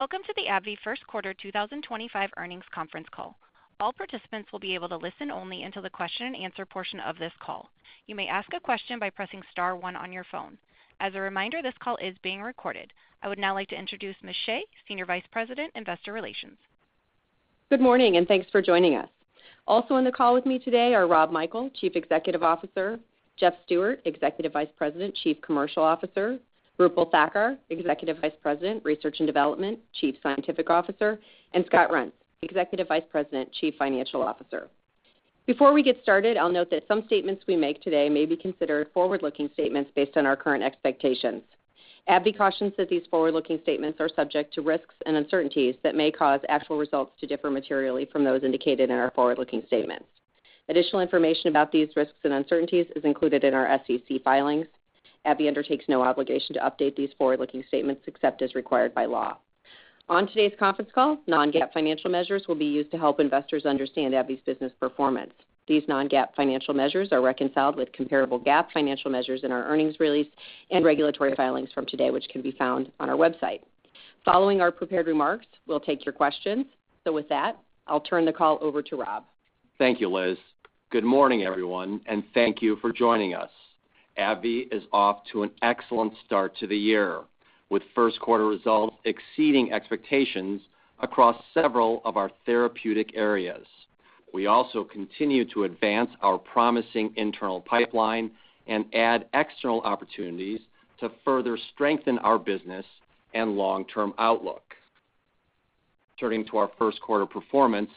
Welcome to the AbbVie First Quarter 2025 Earnings Conference Call. All participants will be able to listen only until the question-and-answer portion of this call. You may ask a question by pressing star one on your phone. As a reminder, this call is being recorded. I would now like to introduce Liz Shea, Senior Vice President, Investor Relations. Good morning, and thanks for joining us. Also on the call with me today are Rob Michael, Chief Executive Officer; Jeff Stewart, Executive Vice President, Chief Commercial Officer; Roopal Thakkar, Executive Vice President, Research and Development, Chief Scientific Officer; and Scott Reents, Executive Vice President, Chief Financial Officer. Before we get started, I'll note that some statements we make today may be considered forward-looking statements based on our current expectations. AbbVie cautions that these forward-looking statements are subject to risks and uncertainties that may cause actual results to differ materially from those indicated in our forward-looking statements. Additional information about these risks and uncertainties is included in our SEC filings. AbbVie undertakes no obligation to update these forward-looking statements except as required by law. On today's conference call, non-GAAP financial measures will be used to help investors understand AbbVie's business performance. These non-GAAP financial measures are reconciled with comparable GAAP financial measures in our earnings release and regulatory filings from today, which can be found on our website. Following our prepared remarks, we'll take your questions. With that, I'll turn the call over to Rob. Thank you, Liz. Good morning, everyone, and thank you for joining us. AbbVie is off to an excellent start to the year with first-quarter results exceeding expectations across several of our therapeutic areas. We also continue to advance our promising internal pipeline and add external opportunities to further strengthen our business and long-term outlook. Turning to our first-quarter performance,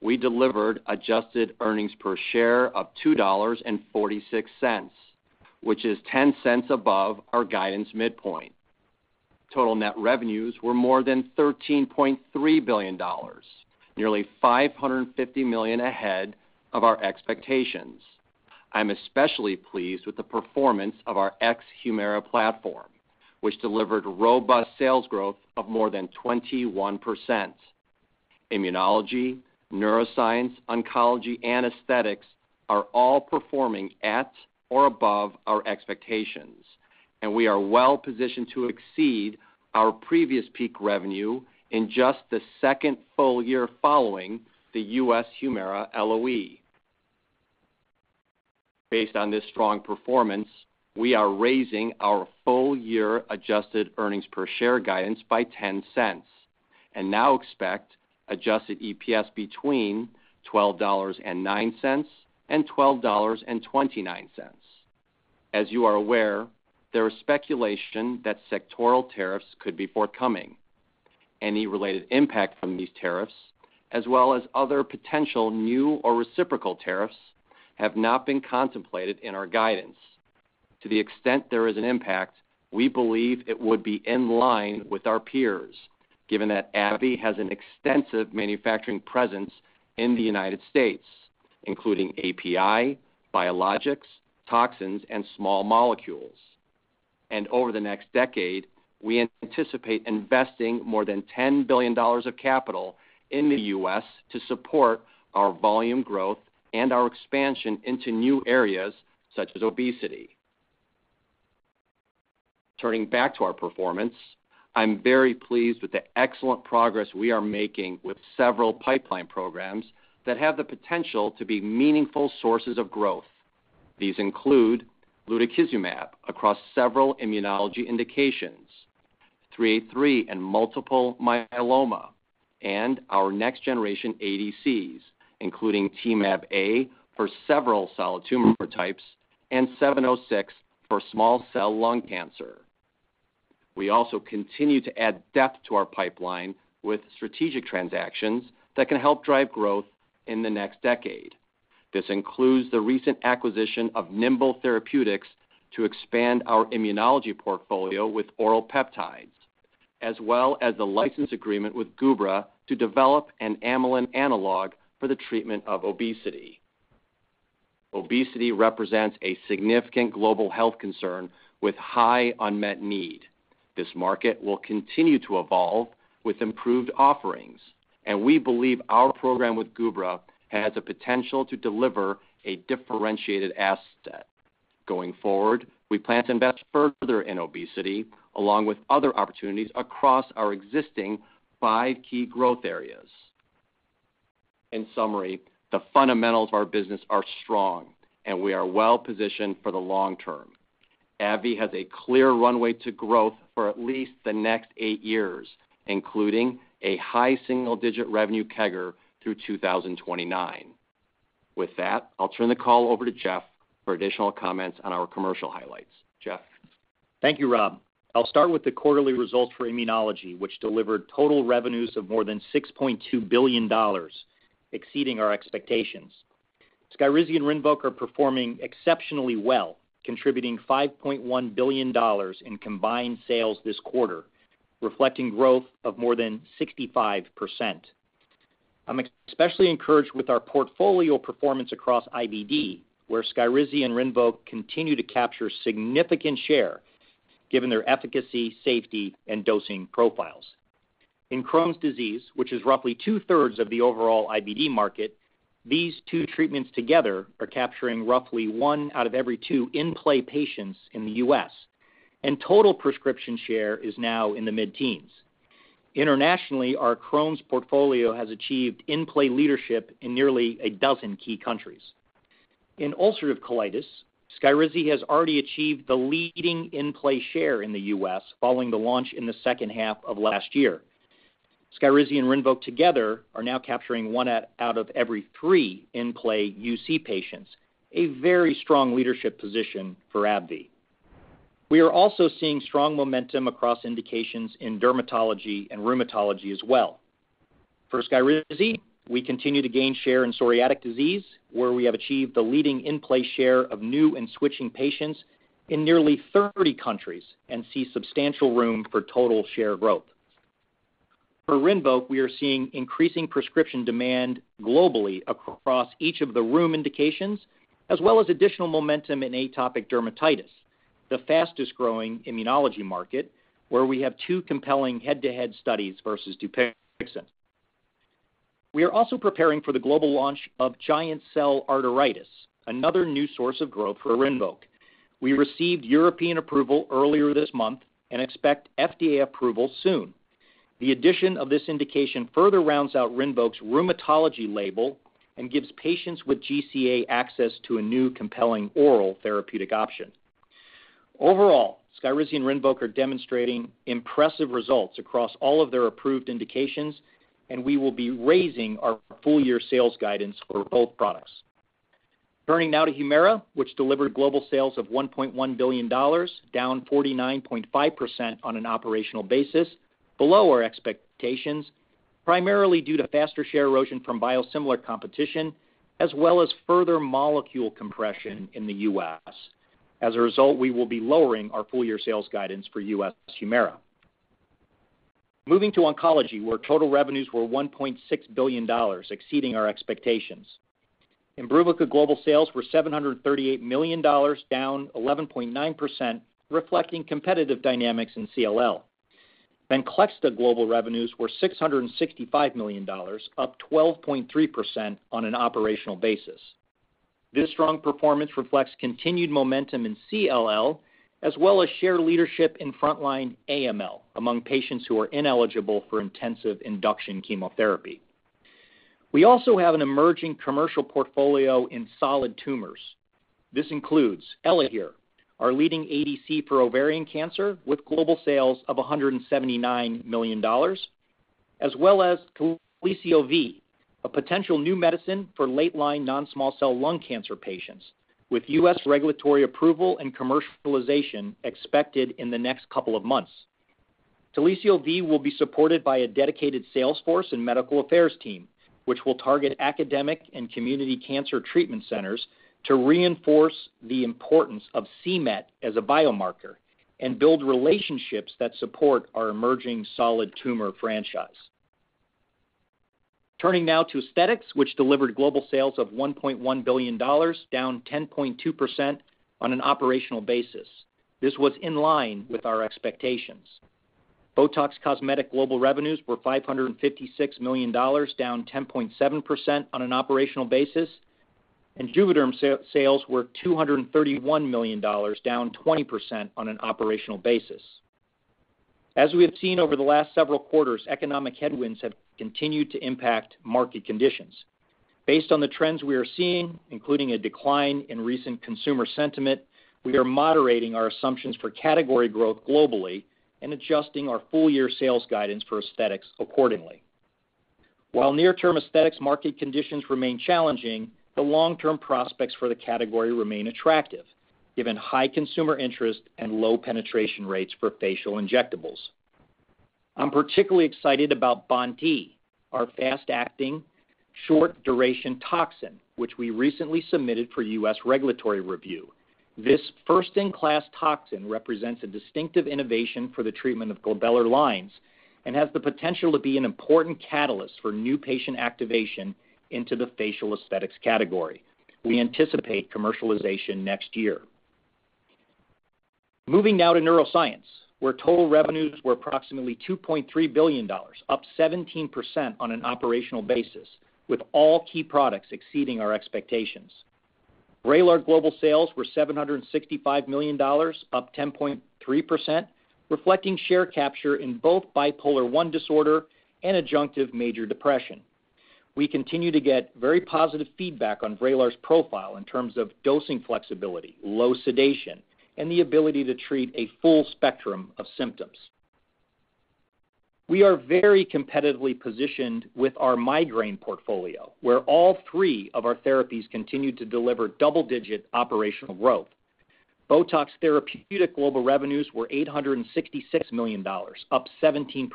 we delivered adjusted earnings per share of $2.46, which is $0.10 above our guidance midpoint. Total net revenues were more than $13.3 billion, nearly $550 million ahead of our expectations. I'm especially pleased with the performance of our HUMIRA platform, which delivered robust sales growth of more than 21%. Immunology, neuroscience, oncology, and aesthetics are all performing at or above our expectations, and we are well positioned to exceed our previous peak revenue in just the second full year following the U.S. HUMIRA LOE. Based on this strong performance, we are raising our full-year adjusted earnings per share guidance by $0.10 and now expect adjusted EPS between $12.09 and $12.29. As you are aware, there is speculation that sectoral tariffs could be forthcoming. Any related impact from these tariffs, as well as other potential new or reciprocal tariffs, have not been contemplated in our guidance. To the extent there is an impact, we believe it would be in line with our peers, given that AbbVie has an extensive manufacturing presence in the U.S., including API, biologics, toxins, and small molecules. Over the next decade, we anticipate investing more than $10 billion of capital in the U.S. to support our volume growth and our expansion into new areas such as obesity. Turning back to our performance, I'm very pleased with the excellent progress we are making with several pipeline programs that have the potential to be meaningful sources of growth. These include Lutikizumab across several immunology indications, 3A3 in multiple myeloma, and our next-generation ADCs, including Temab-A for several solid tumor types and 706 for small cell lung cancer. We also continue to add depth to our pipeline with strategic transactions that can help drive growth in the next decade. This includes the recent acquisition of Nimble Therapeutics to expand our immunology portfolio with oral peptides, as well as the license agreement with Gubra to develop an amylin analog for the treatment of obesity. Obesity represents a significant global health concern with high unmet need. This market will continue to evolve with improved offerings, and we believe our program with Gubra has the potential to deliver a differentiated asset. Going forward, we plan to invest further in obesity along with other opportunities across our existing five key growth areas. In summary, the fundamentals of our business are strong, and we are well positioned for the long term. AbbVie has a clear runway to growth for at least the next eight years, including a high single-digit revenue CAGR through 2029. With that, I'll turn the call over to Jeff for additional comments on our commercial highlights. Jeff. Thank you, Rob. I'll start with the quarterly results for immunology, which delivered total revenues of more than $6.2 billion, exceeding our expectations. SKYRIZI and RINVOQ are performing exceptionally well, contributing $5.1 billion in combined sales this quarter, reflecting growth of more than 65%. I'm especially encouraged with our portfolio performance across IBD, where SKYRIZI and RINVOQ continue to capture a significant share, given their efficacy, safety, and dosing profiles. In Crohn's disease, which is roughly two-thirds of the overall IBD market, these two treatments together are capturing roughly one out of every two in-play patients in the U.S., and total prescription share is now in the mid-teens. Internationally, our Crohn's portfolio has achieved in-play leadership in nearly a dozen key countries. In ulcerative colitis, SKYRIZI has already achieved the leading in-play share in the U.S. following the launch in the second half of last year. SKYRIZI and RINVOQ together are now capturing one out of every three in-play UC patients, a very strong leadership position for AbbVie. We are also seeing strong momentum across indications in dermatology and rheumatology as well. For SKYRIZI, we continue to gain share in psoriatic disease, where we have achieved the leading in-play share of new and switching patients in nearly 30 countries and see substantial room for total share growth. For RINVOQ, we are seeing increasing prescription demand globally across each of the rheum indications, as well as additional momentum in atopic dermatitis, the fastest-growing immunology market, where we have two compelling head-to-head studies versus Dupixent. We are also preparing for the global launch of giant cell arteritis, another new source of growth for RINVOQ. We received European approval earlier this month and expect FDA approval soon. The addition of this indication further rounds out RINVOQ's rheumatology label and gives patients with GCA access to a new compelling oral therapeutic option. Overall, SKYRIZI and RINVOQ are demonstrating impressive results across all of their approved indications, and we will be raising our full-year sales guidance for both products. Turning now to HUMIRA, which delivered global sales of $1.1 billion, down 49.5% on an operational basis, below our expectations, primarily due to faster share erosion from biosimilar competition, as well as further molecule compression in the U.S. As a result, we will be lowering our full-year sales guidance for U.S. HUMIRA. Moving to oncology, where total revenues were $1.6 billion, exceeding our expectations. Imbruvica global sales were $738 million, down 11.9%, reflecting competitive dynamics in CLL. Venclexta global revenues were $665 million, up 12.3% on an operational basis. This strong performance reflects continued momentum in CLL, as well as shared leadership in frontline AML among patients who are ineligible for intensive induction chemotherapy. We also have an emerging commercial portfolio in solid tumors. This includes ELAHERE, our leading ADC for ovarian cancer, with global sales of $179 million, as well as telisotuzumab vedotin, a potential new medicine for late-line non-small cell lung cancer patients, with U.S. regulatory approval and commercialization expected in the next couple of months. Telisotuzumab vedotin will be supported by a dedicated sales force and medical affairs team, which will target academic and community cancer treatment centers to reinforce the importance of c-Met as a biomarker and build relationships that support our emerging solid tumor franchise. Turning now to aesthetics, which delivered global sales of $1.1 billion, down 10.2% on an operational basis. This was in line with our expectations. BOTOX Cosmetic global revenues were $556 million, down 10.7% on an operational basis, and JUVÉDERM sales were $231 million, down 20% on an operational basis. As we have seen over the last several quarters, economic headwinds have continued to impact market conditions. Based on the trends we are seeing, including a decline in recent consumer sentiment, we are moderating our assumptions for category growth globally and adjusting our full-year sales guidance for aesthetics accordingly. While near-term aesthetics market conditions remain challenging, the long-term prospects for the category remain attractive, given high consumer interest and low penetration rates for facial injectables. I'm particularly excited about Bonti, our fast-acting, short-duration toxin, which we recently submitted for U.S. regulatory review. This first-in-class toxin represents a distinctive innovation for the treatment of glabellar lines and has the potential to be an important catalyst for new patient activation into the facial aesthetics category. We anticipate commercialization next year. Moving now to neuroscience, where total revenues were approximately $2.3 billion, up 17% on an operational basis, with all key products exceeding our expectations. VRAYLAR Global sales were $765 million, up 10.3%, reflecting share capture in both bipolar I disorder and adjunctive major depression. We continue to get very positive feedback on VRAYLAR's profile in terms of dosing flexibility, low sedation, and the ability to treat a full spectrum of symptoms. We are very competitively positioned with our migraine portfolio, where all three of our therapies continue to deliver double-digit operational growth. BOTOX Therapeutic Global Revenues were $866 million, up 17%.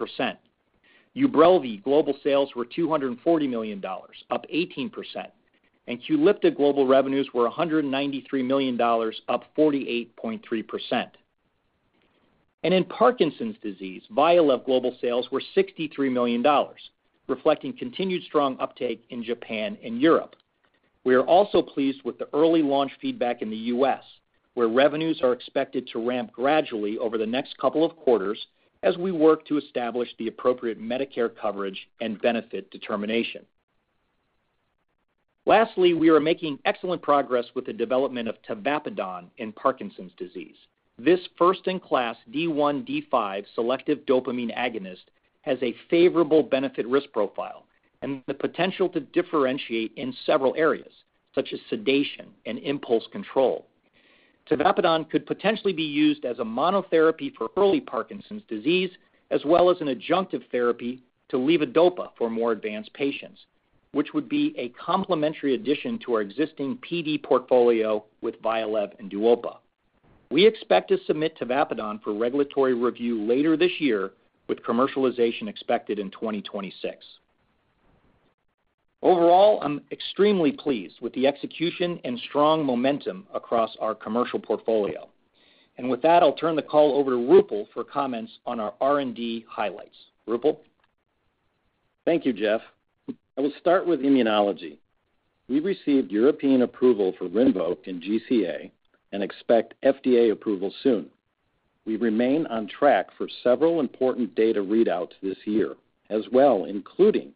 Ubrelvy Global Sales were $240 million, up 18%, and QULIPTA Global Revenues were $193 million, up 48.3%. In Parkinson's disease, VYALEV Global Sales were $63 million, reflecting continued strong uptake in Japan and Europe. We are also pleased with the early launch feedback in the U.S., where revenues are expected to ramp gradually over the next couple of quarters as we work to establish the appropriate Medicare coverage and benefit determination. Lastly, we are making excellent progress with the development of Tavapadon in Parkinson's disease. This first-in-class D1/D5 selective dopamine agonist has a favorable benefit risk profile and the potential to differentiate in several areas, such as sedation and impulse control. Tavapadon could potentially be used as a monotherapy for early Parkinson's disease, as well as an adjunctive therapy to levodopa for more advanced patients, which would be a complementary addition to our existing PD portfolio with VYALEV and Duopa. We expect to submit Tavapadon for regulatory review later this year, with commercialization expected in 2026. Overall, I'm extremely pleased with the execution and strong momentum across our commercial portfolio. With that, I'll turn the call over to Roopal for comments on our R&D highlights. Roopal. Thank you, Jeff. I will start with immunology. We received European approval for RINVOQ in GCA and expect FDA approval soon. We remain on track for several important data readouts this year, as well, including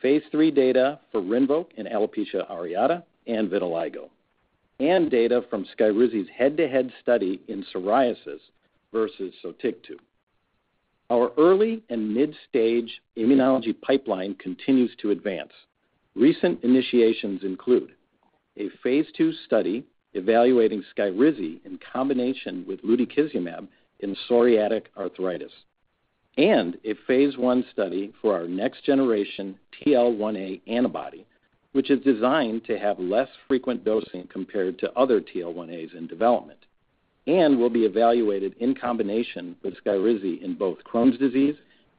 phase three data for RINVOQ in Alopecia Areata and Vitiligo, and data from SKYRIZI's head-to-head study in psoriasis versus soticizumab. Our early and mid-stage immunology pipeline continues to advance. Recent initiations include a phase two study evaluating SKYRIZI in combination with Lutikizumab in psoriatic arthritis, and a phase one study for our next-generation TL1A antibody, which is designed to have less frequent dosing compared to other TL1As in development, and will be evaluated in combination with SKYRIZI in both Crohn's disease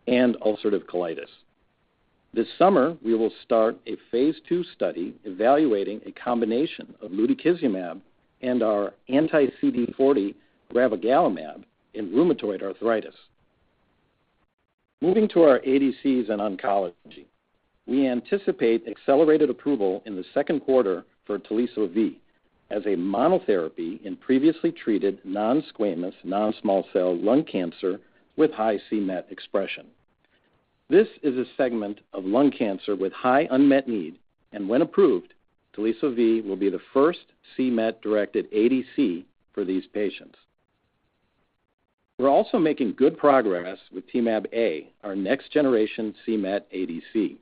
and ulcerative colitis. This summer, we will start a phase two study evaluating a combination of Lutikizumab and our anti-CD40 rabagalimab in rheumatoid arthritis. Moving to our ADCs and oncology, we anticipate accelerated approval in the second quarter for Telisotuzumab Vedotin as a monotherapy in previously treated non-squamous non-small cell lung cancer with high c-Met expression. This is a segment of lung cancer with high unmet need, and when approved, Telisotuzumab Vedotin will be the first c-Met-directed ADC for these patients. We're also making good progress with Temab-A, our next-generation c-Met ADC.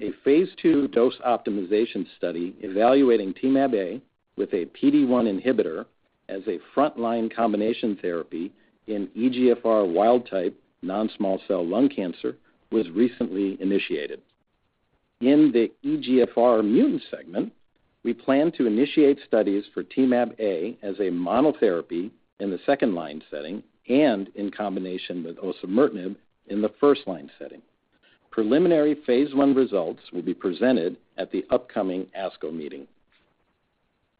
A phase two dose optimization study evaluating Temab-A with a PD1 inhibitor as a frontline combination therapy in EGFR wild-type non-small cell lung cancer was recently initiated. In the EGFR mutant segment, we plan to initiate studies for Temab-A as a monotherapy in the second-line setting and in combination with osimertinib in the first-line setting. Preliminary phase one results will be presented at the upcoming ASCO meeting.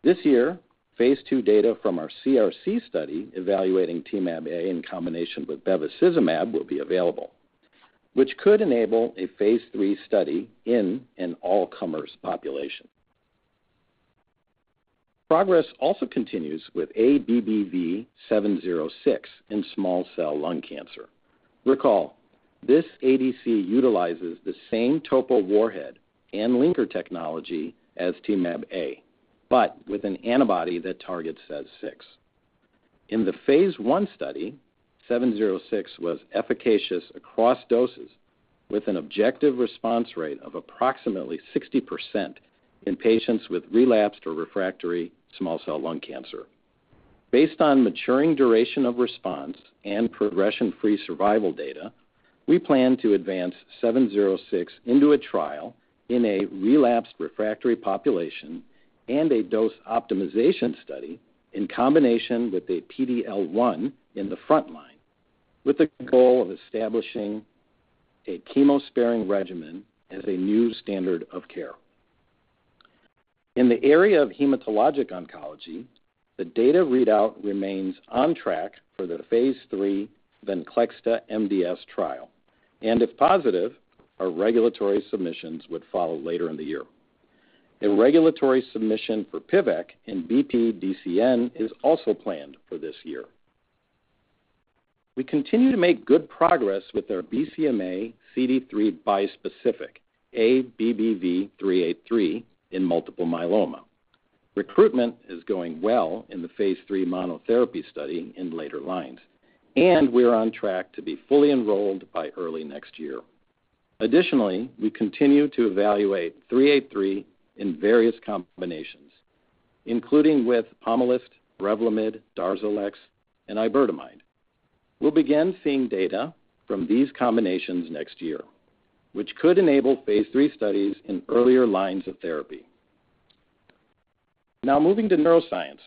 This year, phase two data from our CRC study evaluating Temab-A in combination with bevacizumab will be available, which could enable a phase three study in an all-comers population. Progress also continues with ABBV-706 in small cell lung cancer. Recall, this ADC utilizes the same topo warhead and linker technology as Temab-A, but with an antibody that targets SEZ6. In the phase one study, 706 was efficacious across doses, with an objective response rate of approximately 60% in patients with relapsed or refractory small cell lung cancer. Based on maturing duration of response and progression-free survival data, we plan to advance 706 into a trial in a relapsed refractory population and a dose optimization study in combination with a PD-L1 in the frontline, with the goal of establishing a chemosparing regimen as a new standard of care. In the area of hematologic oncology, the data readout remains on track for the phase three Venclexta MDS trial, and if positive, our regulatory submissions would follow later in the year. A regulatory submission for PVEK and BPDCN is also planned for this year. We continue to make good progress with our BCMA CD3 bispecific ABBV-383 in multiple myeloma. Recruitment is going well in the phase three monotherapy study in later lines, and we are on track to be fully enrolled by early next year. Additionally, we continue to evaluate 383 in various combinations, including with Pomalyst, Revlimid, Darzalex, and Iberdomide. We'll begin seeing data from these combinations next year, which could enable phase three studies in earlier lines of therapy. Now, moving to neuroscience,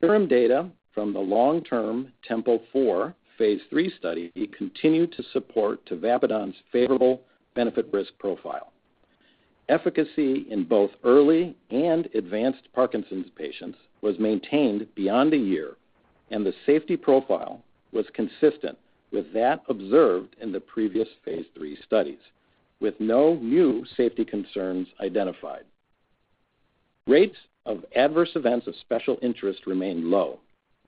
serum data from the long-term Tempo IV phase three study continue to support Tavapadon's favorable benefit risk profile. Efficacy in both early and advanced Parkinson's patients was maintained beyond a year, and the safety profile was consistent with that observed in the previous phase three studies, with no new safety concerns identified. Rates of adverse events of special interest remain low,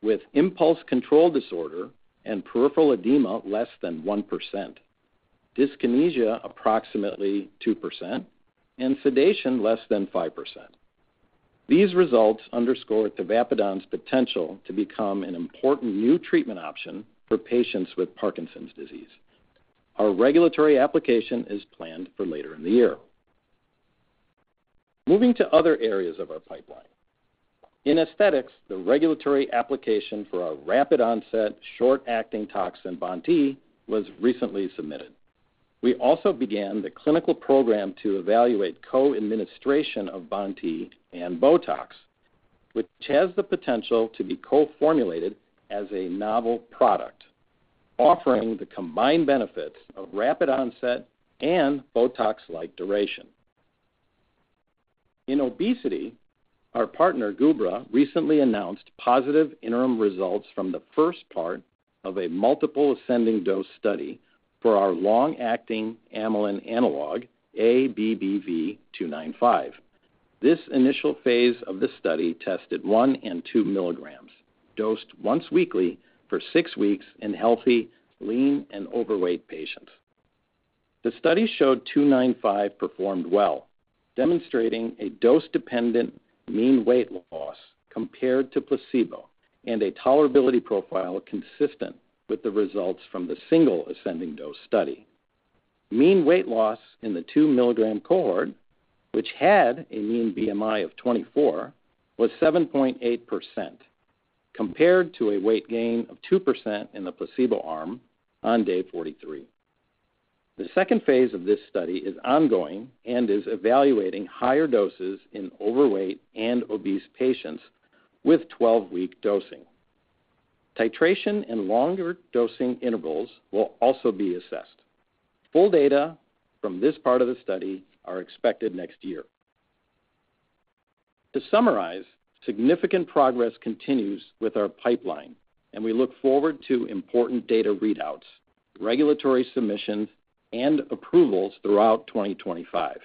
with impulse control disorder and peripheral edema less than 1%, dyskinesia approximately 2%, and sedation less than 5%. These results underscore Tavapadon's potential to become an important new treatment option for patients with Parkinson's disease. Our regulatory application is planned for later in the year. Moving to other areas of our pipeline. In aesthetics, the regulatory application for our rapid-onset, short-acting toxin Bonti was recently submitted. We also began the clinical program to evaluate co-administration of Bonti and BOTOX, which has the potential to be co-formulated as a novel product, offering the combined benefits of rapid onset and BOTOX-like duration. In obesity, our partner Gubra recently announced positive interim results from the first part of a multiple ascending dose study for our long-acting amylin analog, ABBV-295. This initial phase of the study tested 1 and 2 milligrams, dosed once weekly for six weeks in healthy, lean, and overweight patients. The study showed 295 performed well, demonstrating a dose-dependent mean weight loss compared to placebo and a tolerability profile consistent with the results from the single ascending dose study. Mean weight loss in the 2-milligram cohort, which had a mean BMI of 24, was 7.8%, compared to a weight gain of 2% in the placebo arm on day 43. The second phase of this study is ongoing and is evaluating higher doses in overweight and obese patients with 12-week dosing. Titration and longer dosing intervals will also be assessed. Full data from this part of the study are expected next year. To summarize, significant progress continues with our pipeline, and we look forward to important data readouts, regulatory submissions, and approvals throughout 2025.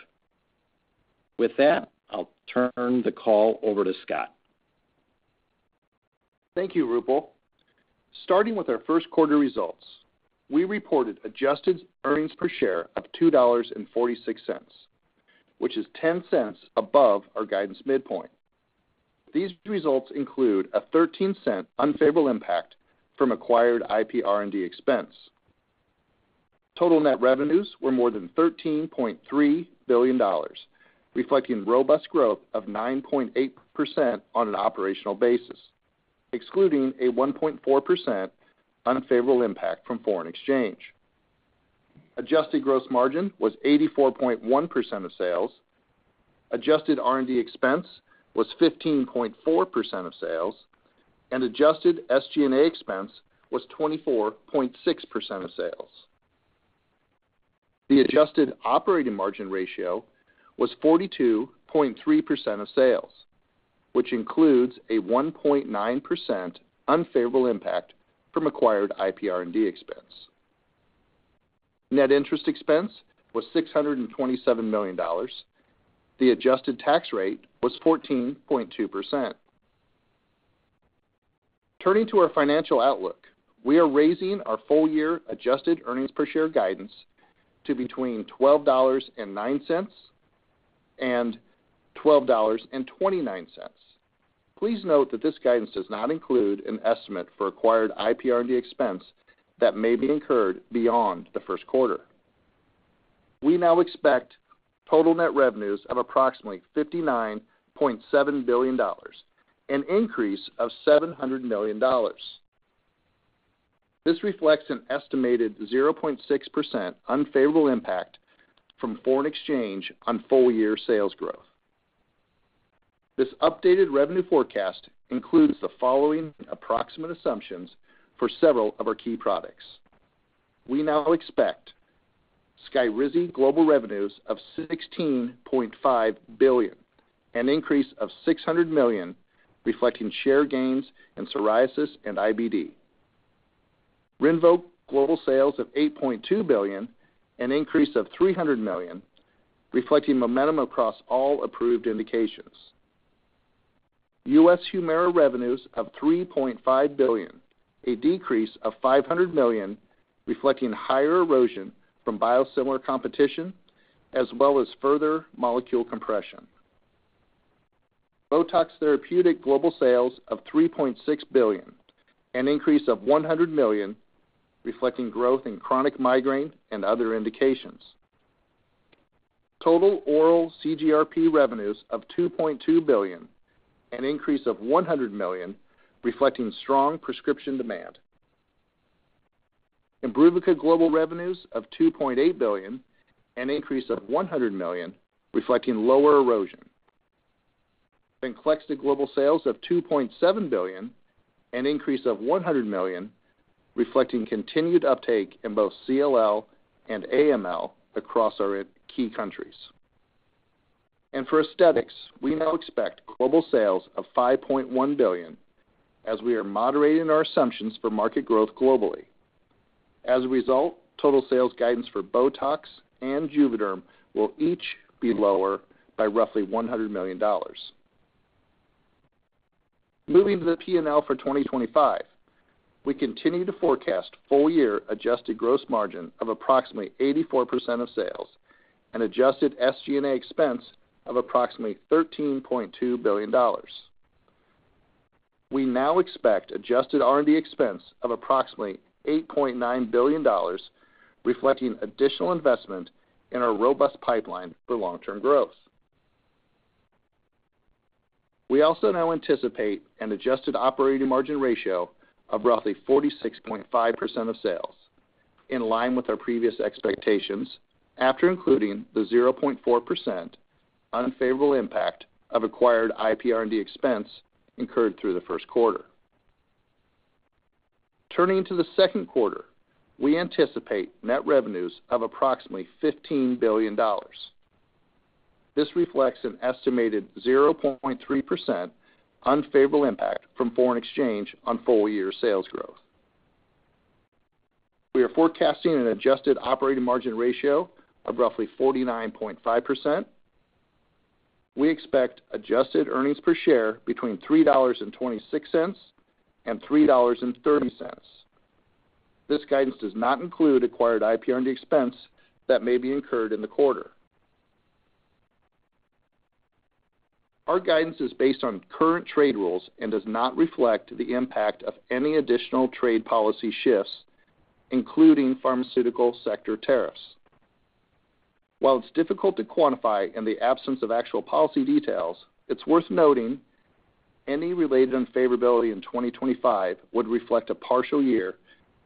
With that, I'll turn the call over to Scott. Thank you, Roopal. Starting with our first quarter results, we reported adjusted earnings per share of $2.46, which is $0.10 above our guidance midpoint. These results include a $0.13 unfavorable impact from acquired IP R&D expense. Total net revenues were more than $13.3 billion, reflecting robust growth of 9.8% on an operational basis, excluding a 1.4% unfavorable impact from foreign exchange. Adjusted gross margin was 84.1% of sales, adjusted R&D expense was 15.4% of sales, and adjusted SG&A expense was 24.6% of sales. The adjusted operating margin ratio was 42.3% of sales, which includes a 1.9% unfavorable impact from acquired IP R&D expense. Net interest expense was $627 million. The adjusted tax rate was 14.2%. Turning to our financial outlook, we are raising our full-year adjusted earnings per share guidance to between $12.09 and $12.29. Please note that this guidance does not include an estimate for acquired IP R&D expense that may be incurred beyond the first quarter. We now expect total net revenues of approximately $59.7 billion, an increase of $700 million. This reflects an estimated 0.6% unfavorable impact from foreign exchange on full-year sales growth. This updated revenue forecast includes the following approximate assumptions for several of our key products. We now expect SKYRIZI global revenues of $16.5 billion, an increase of $600 million, reflecting share gains in psoriasis and IBD. RINVOQ global sales of $8.2 billion, an increase of $300 million, reflecting momentum across all approved indications. U.S. HUMIRA revenues of $3.5 billion, a decrease of $500 million, reflecting higher erosion from biosimilar competition, as well as further molecule compression. BOTOX therapeutic global sales of $3.6 billion, an increase of $100 million, reflecting growth in chronic migraine and other indications. Total oral CGRP revenues of $2.2 billion, an increase of $100 million, reflecting strong prescription demand. Imbruvica global revenues of $2.8 billion, an increase of $100 million, reflecting lower erosion. Venclexta global sales of $2.7 billion, an increase of $100 million, reflecting continued uptake in both CLL and AML across our key countries. For aesthetics, we now expect global sales of $5.1 billion, as we are moderating our assumptions for market growth globally. As a result, total sales guidance for BOTOX and JUVÉDERM will each be lower by roughly $100 million. Moving to the P&L for 2025, we continue to forecast full-year adjusted gross margin of approximately 84% of sales and adjusted SG&A expense of approximately $13.2 billion. We now expect adjusted R&D expense of approximately $8.9 billion, reflecting additional investment in our robust pipeline for long-term growth. We also now anticipate an adjusted operating margin ratio of roughly 46.5% of sales, in line with our previous expectations after including the 0.4% unfavorable impact of acquired IP R&D expense incurred through the first quarter. Turning to the second quarter, we anticipate net revenues of approximately $15 billion. This reflects an estimated 0.3% unfavorable impact from foreign exchange on full-year sales growth. We are forecasting an adjusted operating margin ratio of roughly 49.5%. We expect adjusted earnings per share between $3.26 and $3.30. This guidance does not include acquired IP R&D expense that may be incurred in the quarter. Our guidance is based on current trade rules and does not reflect the impact of any additional trade policy shifts, including pharmaceutical sector tariffs. While it's difficult to quantify in the absence of actual policy details, it's worth noting any related unfavorability in 2025 would reflect a partial year,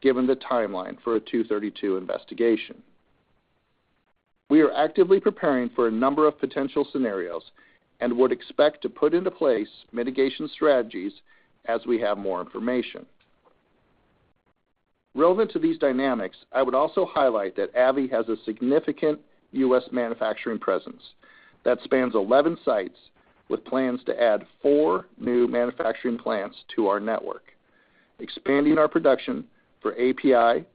given the timeline for a 232 investigation. We are actively preparing for a number of potential scenarios and would expect to put into place mitigation strategies as we have more information. Relevant to these dynamics, I would also highlight that AbbVie has a significant U.S. manufacturing presence that spans 11 sites, with plans to add four new manufacturing plants to our network, expanding our production for API,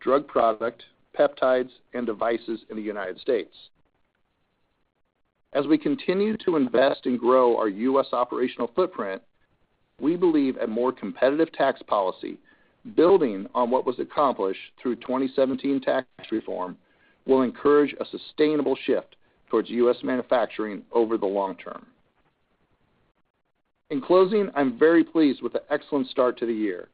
drug product, peptides, and devices in the United States. As we continue to invest and grow our U.S. operational footprint, we believe a more competitive tax policy, building on what was accomplished through 2017 tax reform, will encourage a sustainable shift towards U.S. manufacturing over the long term. In closing, I'm very pleased with the excellent start to the year.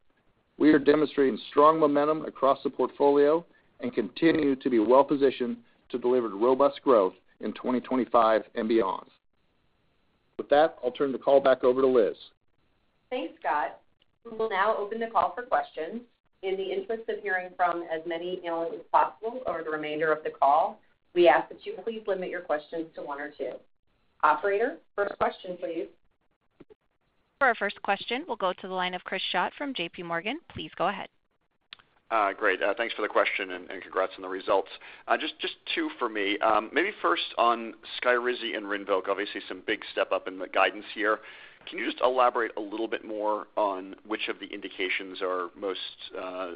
We are demonstrating strong momentum across the portfolio and continue to be well-positioned to deliver robust growth in 2025 and beyond. With that, I'll turn the call back over to Liz. Thanks, Scott. We will now open the call for questions. In the interest of hearing from as many analysts as possible over the remainder of the call, we ask that you please limit your questions to one or two. Operator, first question, please. For our first question, we'll go to the line of Chris Schott from J.P. Morgan. Please go ahead. Great. Thanks for the question and congrats on the results. Just two for me. Maybe first on SKYRIZI and RINVOQ, obviously some big step up in the guidance here. Can you just elaborate a little bit more on which of the indications are most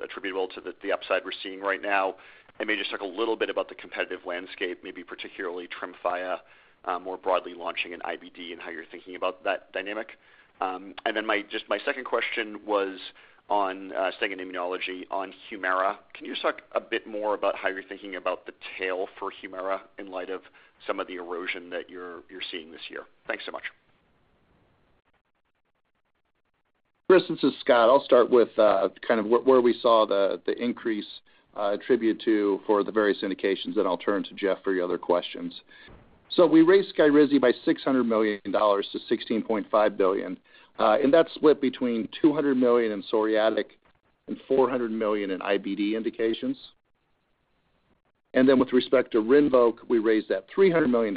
attributable to the upside we're seeing right now? Maybe just talk a little bit about the competitive landscape, maybe particularly Trimthia more broadly launching in IBD and how you're thinking about that dynamic. My second question was on second immunology on HUMIRA. Can you just talk a bit more about how you're thinking about the tail for HUMIRA in light of some of the erosion that you're seeing this year? Thanks so much. Chris, this is Scott. I'll start with kind of where we saw the increase attributed to for the various indications, then I'll turn to Jeff for your other questions. We raised SKYRIZI by $600 million to $16.5 billion. That's split between $200 million in psoriatic and $400 million in IBD indications. With respect to RINVOQ, we raised that $300 million,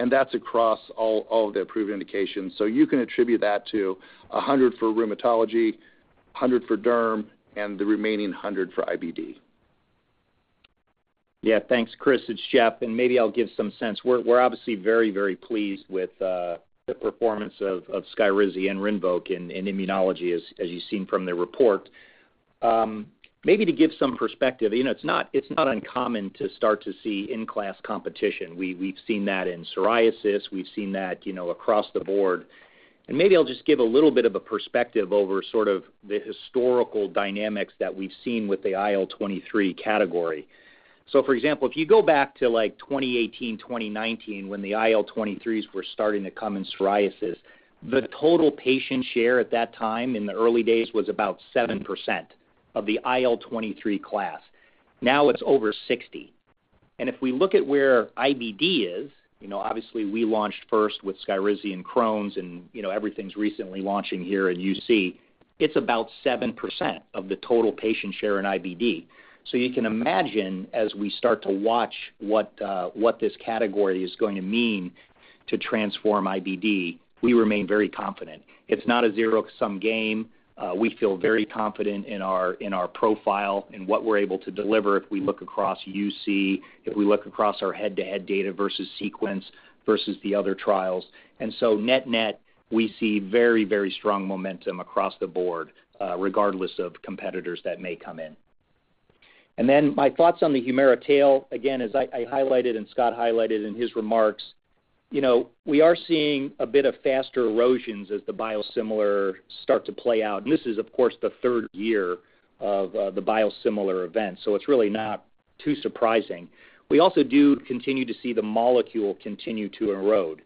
and that's across all of the approved indications. You can attribute that to $100 million for rheumatology, $100 million for derm, and the remaining $100 million for IBD. Yeah, thanks. Chris, it's Jeff. Maybe I'll give some sense. We're obviously very, very pleased with the performance of SKYRIZI and RINVOQ in immunology, as you've seen from the report. Maybe to give some perspective, it's not uncommon to start to see in-class competition. We've seen that in psoriasis. We've seen that across the board. Maybe I'll just give a little bit of a perspective over sort of the historical dynamics that we've seen with the IL-23 category. For example, if you go back to like 2018, 2019, when the IL-23s were starting to come in psoriasis, the total patient share at that time in the early days was about 7% of the IL-23 class. Now it's over 60%. If we look at where IBD is, obviously we launched first with SKYRIZI in Crohn's, and everything's recently launching here at UC. It's about 7% of the total patient share in IBD. You can imagine as we start to watch what this category is going to mean to transform IBD, we remain very confident. It's not a zero-sum game. We feel very confident in our profile and what we're able to deliver if we look across UC, if we look across our head-to-head data versus sequence versus the other trials. Net-net, we see very, very strong momentum across the board, regardless of competitors that may come in. My thoughts on the HUMIRA tail, again, as I highlighted and Scott highlighted in his remarks, we are seeing a bit of faster erosions as the biosimilar start to play out. This is, of course, the third year of the biosimilar event, so it's really not too surprising. We also do continue to see the molecule continue to erode.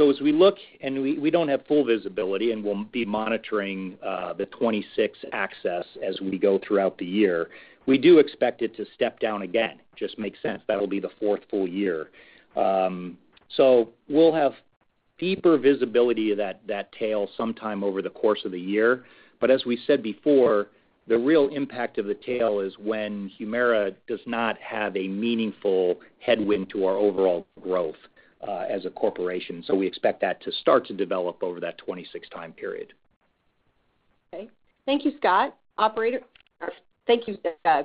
As we look, and we do not have full visibility, and we will be monitoring the 2026 axis as we go throughout the year, we do expect it to step down again. It just makes sense. That will be the fourth full year. We will have deeper visibility of that tail sometime over the course of the year. As we said before, the real impact of the tail is when HUMIRA does not have a meaningful headwind to our overall growth as a corporation. We expect that to start to develop over that 2026 time period. Okay. Thank you, Scott. Operator, or thank you,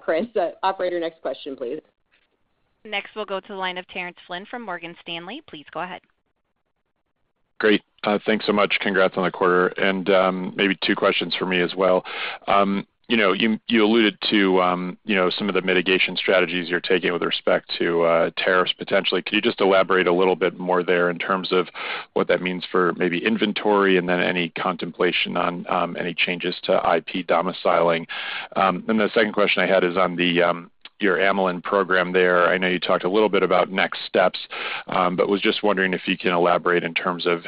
Chris. Operator, next question, please. Next, we'll go to the line of Terrence Flynn from Morgan Stanley. Please go ahead. Great. Thanks so much. Congrats on the quarter. Maybe two questions for me as well. You alluded to some of the mitigation strategies you're taking with respect to tariffs potentially. Could you just elaborate a little bit more there in terms of what that means for maybe inventory and then any contemplation on any changes to IP domiciling? The second question I had is on your amylin program there. I know you talked a little bit about next steps, but was just wondering if you can elaborate in terms of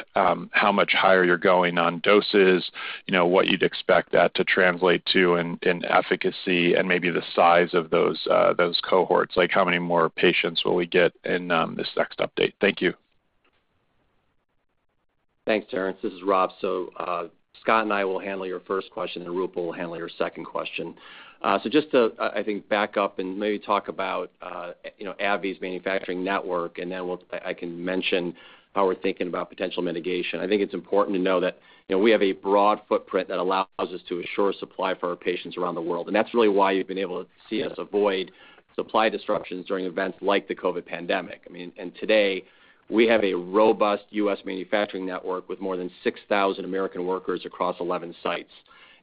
how much higher you're going on doses, what you'd expect that to translate to in efficacy, and maybe the size of those cohorts, like how many more patients will we get in this next update. Thank you. Thanks, Terrence. This is Rob. Scott and I will handle your first question, and Roopal will handle your second question. Just to, I think, back up and maybe talk about AbbVie's manufacturing network, and then I can mention how we're thinking about potential mitigation. I think it's important to know that we have a broad footprint that allows us to assure supply for our patients around the world. That's really why you've been able to see us avoid supply disruptions during events like the COVID pandemic. I mean, today, we have a robust U.S. manufacturing network with more than 6,000 American workers across 11 sites.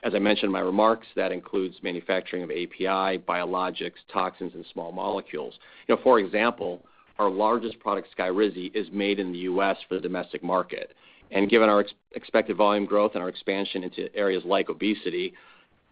As I mentioned in my remarks, that includes manufacturing of API, biologics, toxins, and small molecules. For example, our largest product, SKYRIZI, is made in the U.S. for the domestic market. Given our expected volume growth and our expansion into areas like obesity,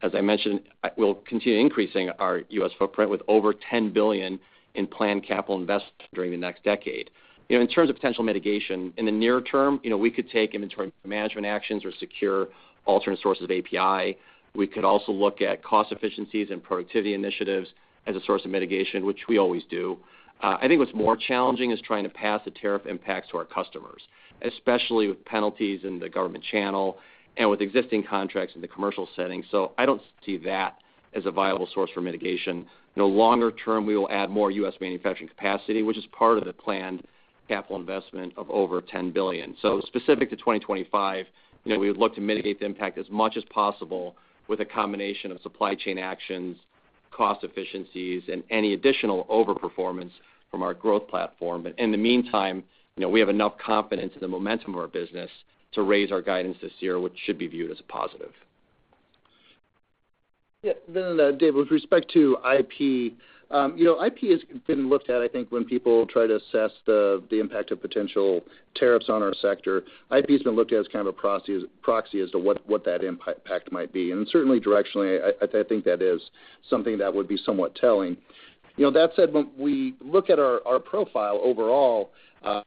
as I mentioned, we'll continue increasing our U.S. footprint with over $10 billion in planned capital investment during the next decade. In terms of potential mitigation, in the near term, we could take inventory management actions or secure alternate sources of API. We could also look at cost efficiencies and productivity initiatives as a source of mitigation, which we always do. I think what's more challenging is trying to pass the tariff impacts to our customers, especially with penalties in the government channel and with existing contracts in the commercial setting. I don't see that as a viable source for mitigation. In the longer term, we will add more U.S. manufacturing capacity, which is part of the planned capital investment of over $10 billion. Specific to 2025, we would look to mitigate the impact as much as possible with a combination of supply chain actions, cost efficiencies, and any additional overperformance from our growth platform. In the meantime, we have enough confidence in the momentum of our business to raise our guidance this year, which should be viewed as a positive. Yeah. Terrence, with respect to IP, IP has been looked at, I think, when people try to assess the impact of potential tariffs on our sector. IP has been looked at as kind of a proxy as to what that impact might be. Certainly, directionally, I think that is something that would be somewhat telling. That said, when we look at our profile overall,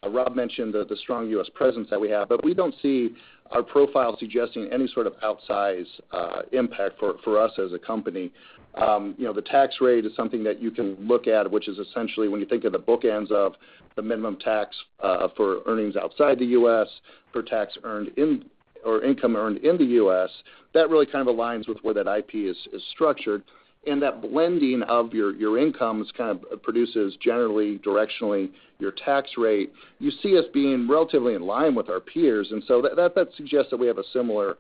Rob mentioned the strong U.S. presence that we have, but we do not see our profile suggesting any sort of outsize impact for us as a company. The tax rate is something that you can look at, which is essentially when you think of the bookends of the minimum tax for earnings outside the U.S., for tax earned or income earned in the U.S., that really kind of aligns with where that IP is structured. That blending of your incomes kind of produces generally, directionally, your tax rate. You see us being relatively in line with our peers. That suggests that we have a similar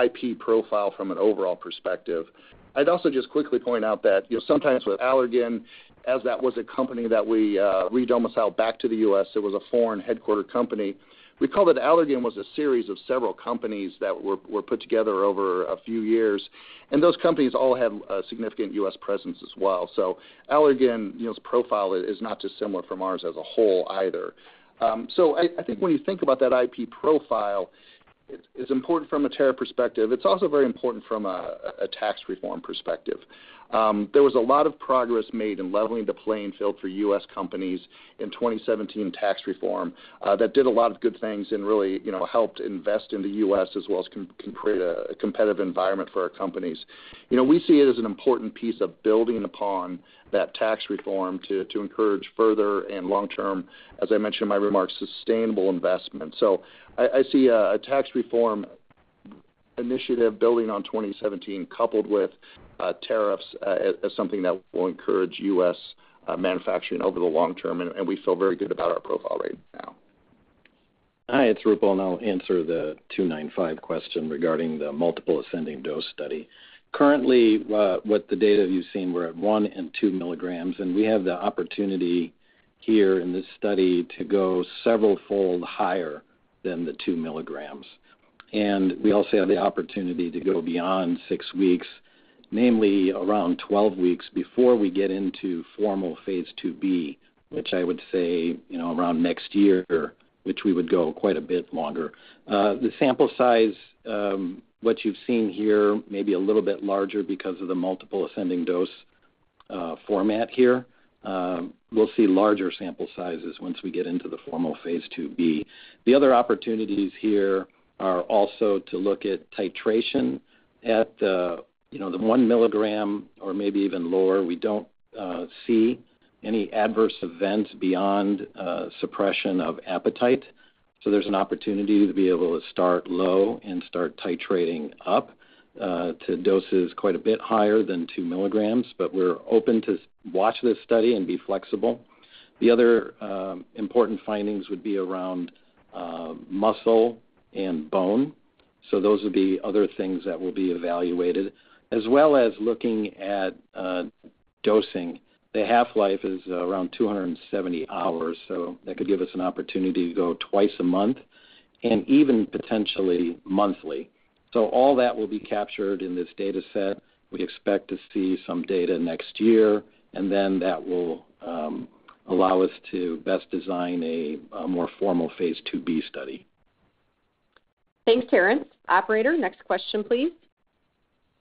IP profile from an overall perspective. I'd also just quickly point out that sometimes with Allergan, as that was a company that we redomiciled back to the U.S., it was a foreign headquartered company. We called it Allergan was a series of several companies that were put together over a few years. Those companies all had a significant U.S. presence as well. Allergan's profile is not dissimilar from ours as a whole either. I think when you think about that IP profile, it's important from a tariff perspective. It's also very important from a tax reform perspective. There was a lot of progress made in leveling the playing field for U.S. companies in 2017 tax reform that did a lot of good things and really helped invest in the U.S. as well as create a competitive environment for our companies. We see it as an important piece of building upon that tax reform to encourage further and long-term, as I mentioned in my remarks, sustainable investment. I see a tax reform initiative building on 2017 coupled with tariffs as something that will encourage U.S. manufacturing over the long term. We feel very good about our profile right now. Hi, it's Roopal. I'll answer the 295 question regarding the multiple ascending dose study. Currently, with the data you've seen, we're at 1 and 2 milligrams. We have the opportunity here in this study to go several-fold higher than the 2 milligrams. We also have the opportunity to go beyond six weeks, namely around 12 weeks before we get into formal phase 2B, which I would say is around next year, which we would go quite a bit longer. The sample size, what you've seen here, maybe a little bit larger because of the multiple ascending dose format here. We'll see larger sample sizes once we get into the formal phase 2B. The other opportunities here are also to look at titration at the 1 milligram or maybe even lower. We don't see any adverse events beyond suppression of appetite. There is an opportunity to be able to start low and start titrating up to doses quite a bit higher than 2 milligrams. We are open to watch this study and be flexible. The other important findings would be around muscle and bone. Those would be other things that will be evaluated, as well as looking at dosing. The half-life is around 270 hours. That could give us an opportunity to go twice a month and even potentially monthly. All that will be captured in this data set. We expect to see some data next year. That will allow us to best design a more formal phase 2B study. Thanks, Terrence. Operator, next question, please.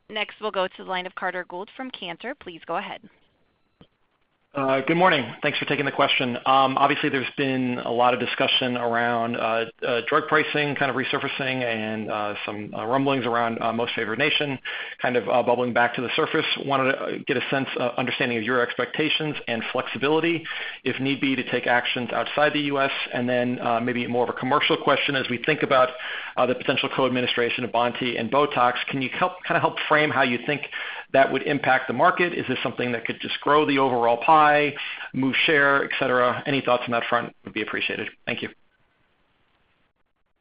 Next, we'll go to the line of Carter Gold from Cantor. Please go ahead. Good morning. Thanks for taking the question. Obviously, there's been a lot of discussion around drug pricing kind of resurfacing and some rumblings around most favored nation kind of bubbling back to the surface. Wanted to get a sense of understanding of your expectations and flexibility if need be to take actions outside the U.S. Maybe more of a commercial question as we think about the potential co-administration of Bonti and BOTOX. Can you kind of help frame how you think that would impact the market? Is this something that could just grow the overall pie, move share, etc.? Any thoughts on that front would be appreciated. Thank you.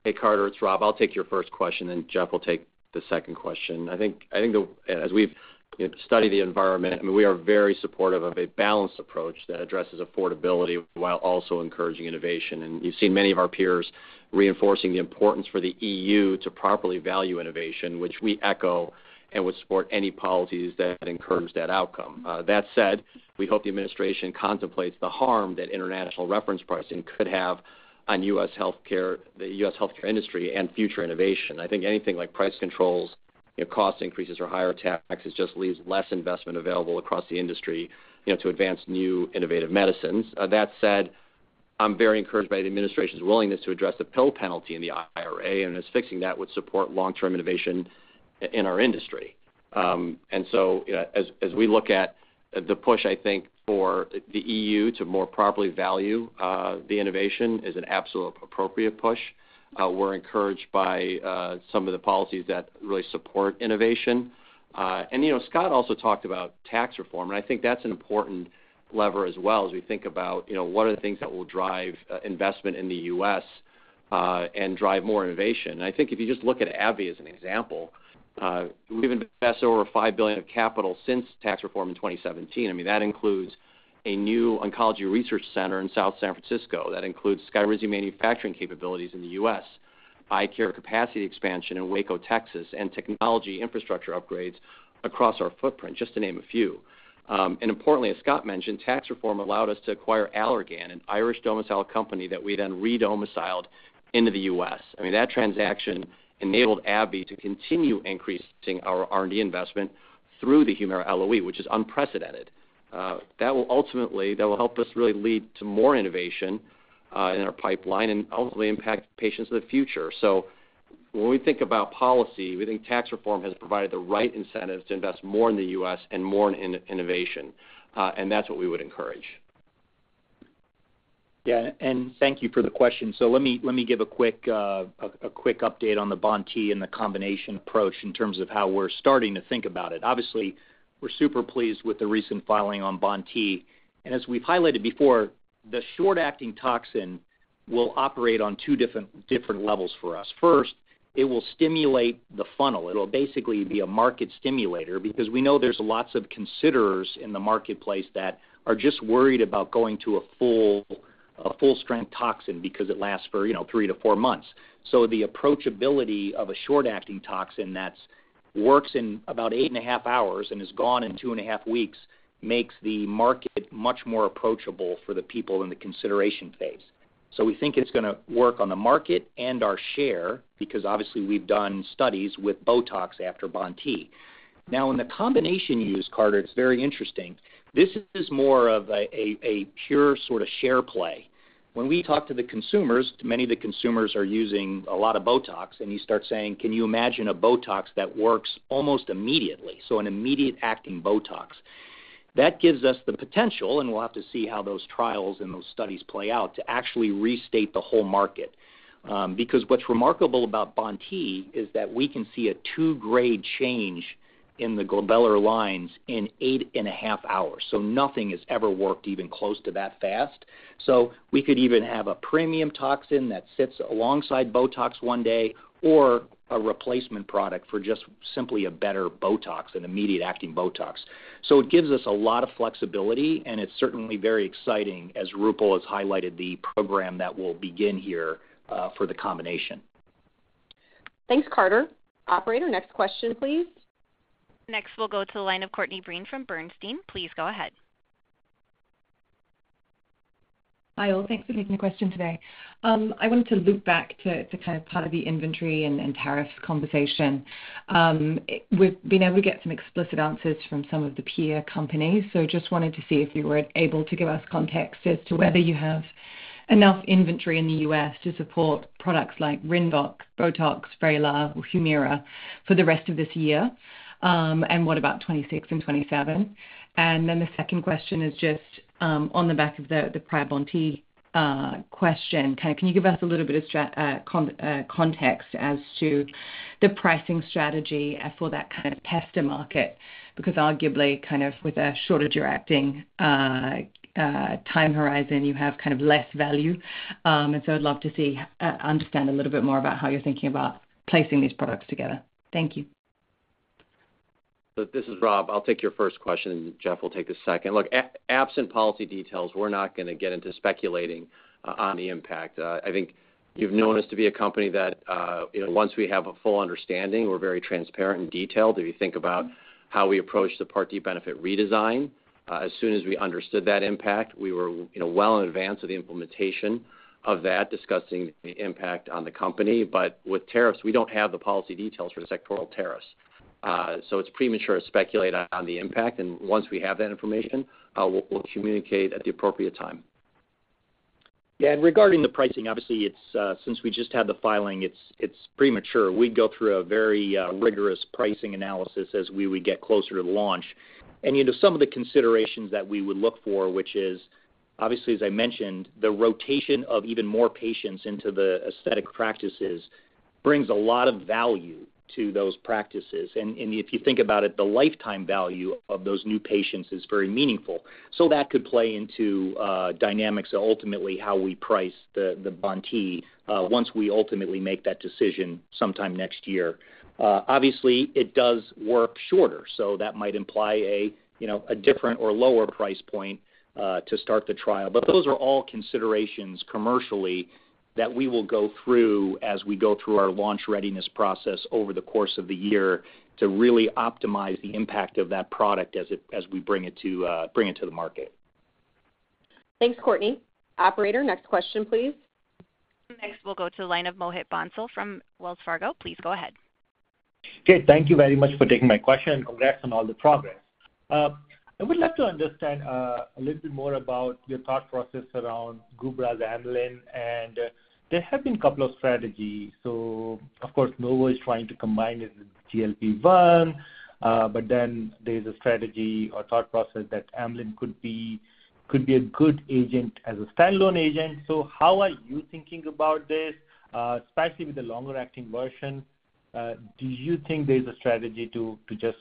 Hey, Carter, it's Rob. I'll take your first question, and Jeff will take the second question. I think as we've studied the environment, I mean, we are very supportive of a balanced approach that addresses affordability while also encouraging innovation. You have seen many of our peers reinforcing the importance for the EU to properly value innovation, which we echo and would support any policies that encourage that outcome. That said, we hope the administration contemplates the harm that international reference pricing could have on U.S. healthcare, the U.S. healthcare industry, and future innovation. I think anything like price controls, cost increases, or higher taxes just leaves less investment available across the industry to advance new innovative medicines. That said, I'm very encouraged by the administration's willingness to address the pill penalty in the IRA, and as fixing that would support long-term innovation in our industry. As we look at the push, I think, for the EU to more properly value the innovation is an absolute appropriate push. We're encouraged by some of the policies that really support innovation. Scott also talked about tax reform. I think that's an important lever as well as we think about what are the things that will drive investment in the U.S. and drive more innovation. I think if you just look at AbbVie as an example, we've invested over $5 billion of capital since tax reform in 2017. I mean, that includes a new oncology research center in South San Francisco. That includes SKYRIZI manufacturing capabilities in the U.S., eye care capacity expansion in Waco, Texas, and technology infrastructure upgrades across our footprint, just to name a few. Importantly, as Scott mentioned, tax reform allowed us to acquire Allergan, an Irish domiciled company that we then redomiciled into the U.S. I mean, that transaction enabled AbbVie to continue increasing our R&D investment through the HUMIRA LOE, which is unprecedented. That will ultimately help us really lead to more innovation in our pipeline and ultimately impact patients in the future. When we think about policy, we think tax reform has provided the right incentives to invest more in the U.S. and more in innovation. That is what we would encourage. Yeah. Thank you for the question. Let me give a quick update on the Bonti and the combination approach in terms of how we're starting to think about it. Obviously, we're super pleased with the recent filing on Bonti. As we've highlighted before, the short-acting toxin will operate on two different levels for us. First, it will stimulate the funnel. It will basically be a market stimulator because we know there are lots of considerers in the marketplace that are just worried about going to a full-strength toxin because it lasts for three to four months. The approachability of a short-acting toxin that works in about eight and a half hours and is gone in two and a half weeks makes the market much more approachable for the people in the consideration phase. We think it is going to work on the market and our share because obviously we have done studies with BOTOX after Bonti. In the combination use, Carter, it is very interesting. This is more of a pure sort of share play. When we talk to the consumers, many of the consumers are using a lot of BOTOX. You start saying, "Can you imagine a BOTOX that works almost immediately?" An immediate-acting BOTOX gives us the potential, and we'll have to see how those trials and those studies play out, to actually restate the whole market. What is remarkable about Bonti is that we can see a two-grade change in the glabellar lines in eight and a half hours. Nothing has ever worked even close to that fast. We could even have a premium toxin that sits alongside BOTOX one day or a replacement product for just simply a better BOTOX, an immediate-acting BOTOX. It gives us a lot of flexibility. It is certainly very exciting, as Roopal has highlighted, the program that will begin here for the combination. Thanks, Carter. Operator, next question, please. Next, we'll go to the line of Courtney Breen from Bernstein. Please go ahead. Hi, all. Thanks for taking the question today. I wanted to loop back to kind of part of the inventory and tariffs conversation. We've been able to get some explicit answers from some of the peer companies. Just wanted to see if you were able to give us context as to whether you have enough inventory in the U.S. to support products like RINVOQ, BOTOX, VRAYLAR, or HUMIRA for the rest of this year and what about 2026 and 2027? The second question is just on the back of the prior Bonti question, kind of can you give us a little bit of context as to the pricing strategy for that kind of pesta market? Because arguably, kind of with a shorter-durating time horizon, you have kind of less value. I'd love to understand a little bit more about how you're thinking about placing these products together. Thank you. This is Rob. I'll take your first question. Jeff will take the second. Look, absent policy details, we're not going to get into speculating on the impact. I think you've known us to be a company that once we have a full understanding, we're very transparent and detailed if you think about how we approach the Part D benefit redesign. As soon as we understood that impact, we were well in advance of the implementation of that, discussing the impact on the company. With tariffs, we don't have the policy details for the sectoral tariffs. It's premature to speculate on the impact. Once we have that information, we'll communicate at the appropriate time. Yeah. Regarding the pricing, obviously, since we just had the filing, it's premature. We'd go through a very rigorous pricing analysis as we would get closer to launch. Some of the considerations that we would look for, which is obviously, as I mentioned, the rotation of even more patients into the aesthetic practices brings a lot of value to those practices. If you think about it, the lifetime value of those new patients is very meaningful. That could play into dynamics of ultimately how we price the Bonti once we ultimately make that decision sometime next year. Obviously, it does work shorter. That might imply a different or lower price point to start the trial. Those are all considerations commercially that we will go through as we go through our launch readiness process over the course of the year to really optimize the impact of that product as we bring it to the market. Thanks, Courtney. Operator, next question, please. Next, we'll go to the line of Mohit Bansal from Wells Fargo. Please go ahead. Okay. Thank you very much for taking my question. Congrats on all the progress. I would love to understand a little bit more about your thought process around Gubra's amylin. There have been a couple of strategies. Of course, Novo is trying to combine it with GLP-1. There is also a strategy or thought process that amylin could be a good agent as a standalone agent. How are you thinking about this, especially with the longer-acting version? Do you think there is a strategy to just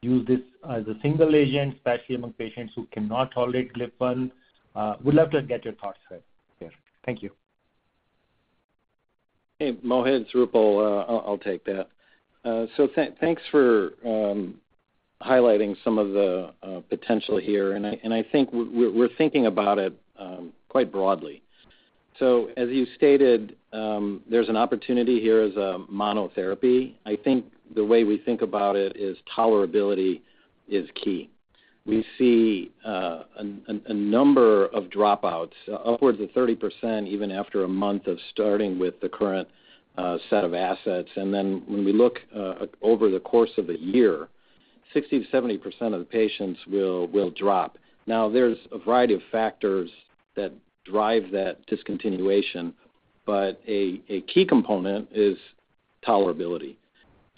use this as a single agent, especially among patients who cannot tolerate GLP-1? Would love to get your thoughts here. Thank you. Hey, Mohit. It's Roopal. I'll take that. Thanks for highlighting some of the potential here. I think we're thinking about it quite broadly. As you stated, there's an opportunity here as a monotherapy. I think the way we think about it is tolerability is key. We see a number of dropouts, upwards of 30%, even after a month of starting with the current set of assets. When we look over the course of a year, 60%-70% of the patients will drop. Now, there's a variety of factors that drive that discontinuation. A key component is tolerability.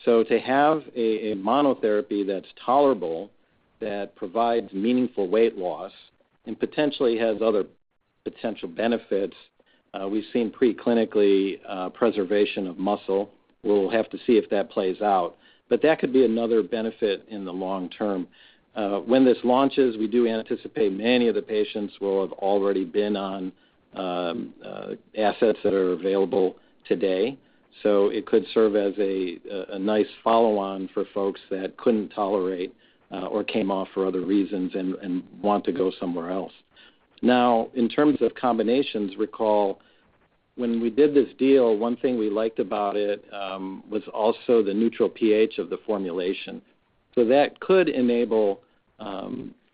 To have a monotherapy that's tolerable, that provides meaningful weight loss, and potentially has other potential benefits, we've seen preclinically preservation of muscle. We'll have to see if that plays out. That could be another benefit in the long term. When this launches, we do anticipate many of the patients will have already been on assets that are available today. It could serve as a nice follow-on for folks that could not tolerate or came off for other reasons and want to go somewhere else. In terms of combinations, recall, when we did this deal, one thing we liked about it was also the neutral pH of the formulation. That could enable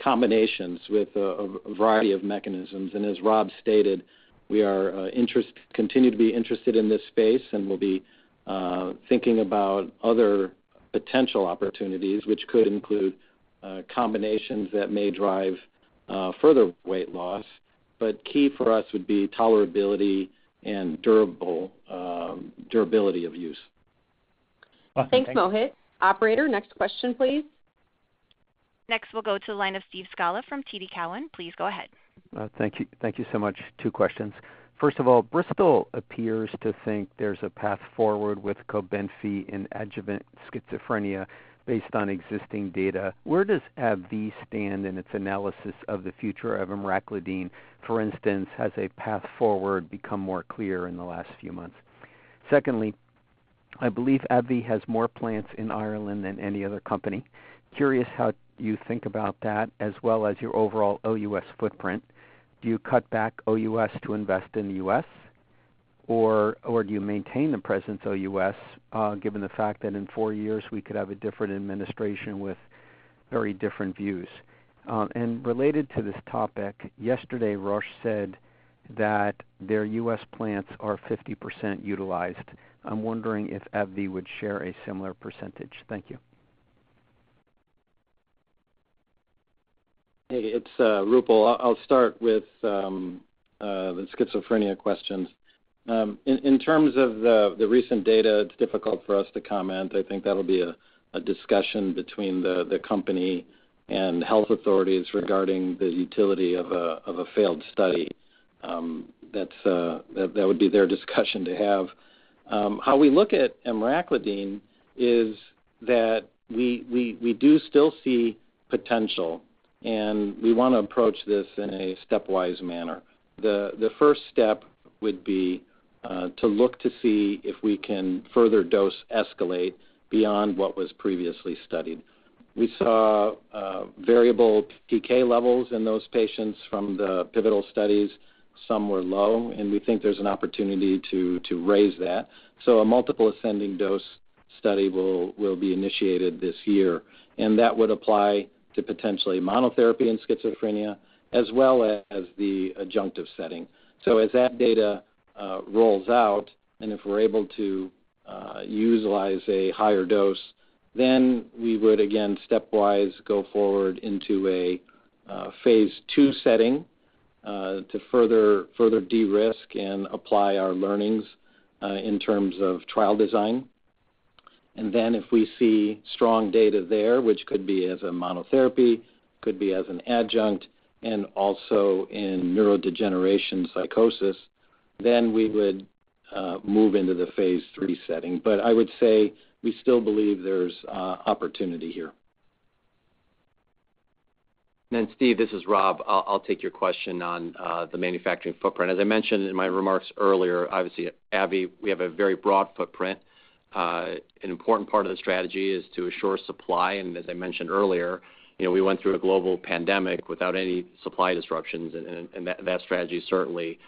combinations with a variety of mechanisms. As Rob stated, we continue to be interested in this space and will be thinking about other potential opportunities, which could include combinations that may drive further weight loss. Key for us would be tolerability and durability of use. Thanks, Mohit. Operator, next question, please. Next, we'll go to the line of Steve Scala from TD Cowen. Please go ahead. Thank you so much. Two questions. First of all, Bristol appears to think there's a path forward with Cobenfy in adjuvant schizophrenia based on existing data. Where does AbbVie stand in its analysis of the future of Emraclidine, for instance, as a path forward become more clear in the last few months? Secondly, I believe AbbVie has more plants in Ireland than any other company. Curious how you think about that, as well as your overall OUS footprint. Do you cut back OS. to invest in the U.S.? Do you maintain the presence OUS, given the fact that in four years we could have a different administration with very different views? Related to this topic, yesterday, Roche said that their U.S. plants are 50% utilized. I'm wondering if AbbVie would share a similar percentage. Thank you. Hey, it's Roopal. I'll start with the schizophrenia questions. In terms of the recent data, it's difficult for us to comment. I think that'll be a discussion between the company and health authorities regarding the utility of a failed study. That would be their discussion to have. How we look at Emraclidine is that we do still see potential. And we want to approach this in a stepwise manner. The first step would be to look to see if we can further dose escalate beyond what was previously studied. We saw variable PK levels in those patients from the pivotal studies. Some were low. And we think there's an opportunity to raise that. So a multiple ascending dose study will be initiated this year. And that would apply to potentially monotherapy in schizophrenia, as well as the adjunctive setting. As that data rolls out, and if we're able to utilize a higher dose, then we would, again, stepwise go forward into a phase two setting to further de-risk and apply our learnings in terms of trial design. If we see strong data there, which could be as a monotherapy, could be as an adjunct, and also in neurodegeneration psychosis, then we would move into the phase three setting. I would say we still believe there's opportunity here. Steve, this is Rob. I'll take your question on the manufacturing footprint. As I mentioned in my remarks earlier, obviously, AbbVie, we have a very broad footprint. An important part of the strategy is to assure supply. As I mentioned earlier, we went through a global pandemic without any supply disruptions. That strategy certainly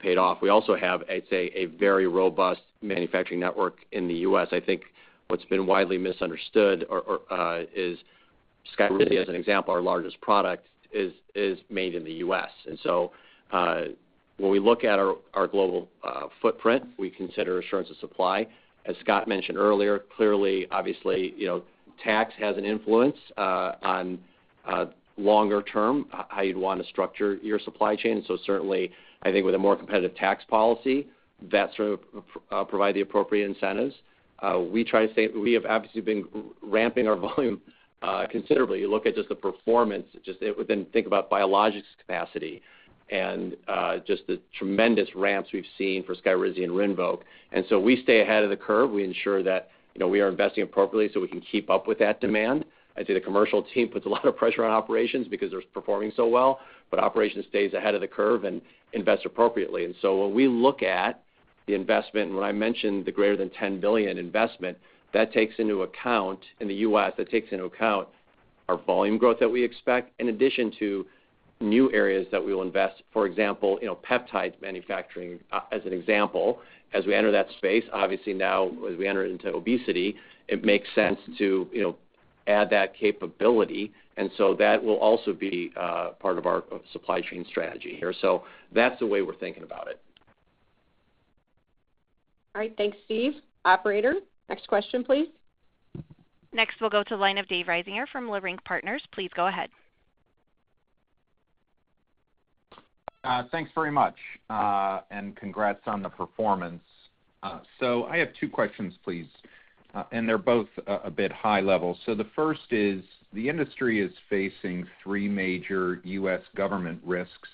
paid off. We also have, I'd say, a very robust manufacturing network in the U.S. I think what's been widely misunderstood is SKYRIZI, as an example, our largest product, is made in the U.S. When we look at our global footprint, we consider assurance of supply. As Scott mentioned earlier, clearly, obviously, tax has an influence on longer-term how you'd want to structure your supply chain. Certainly, I think with a more competitive tax policy, that's going to provide the appropriate incentives. We have obviously been ramping our volume considerably. You look at just the performance, just then think about biologics capacity and just the tremendous ramps we've seen for SKYRIZI and RINVOQ. We stay ahead of the curve. We ensure that we are investing appropriately so we can keep up with that demand. I'd say the commercial team puts a lot of pressure on operations because they're performing so well. Operations stays ahead of the curve and invests appropriately. When we look at the investment, and when I mentioned the greater than $10 billion investment, that takes into account in the U.S., that takes into account our volume growth that we expect, in addition to new areas that we will invest, for example, peptide manufacturing as an example. As we enter that space, obviously, now as we enter into obesity, it makes sense to add that capability. That will also be part of our supply chain strategy here. That is the way we are thinking about it. All right. Thanks, Steve. Operator, next question, please. Next, we'll go to the line of Dave Risinger from Leerink Partners. Please go ahead. Thanks very much. Congrats on the performance. I have two questions, please, and they're both a bit high level. The first is the industry is facing three major U.S. government risks,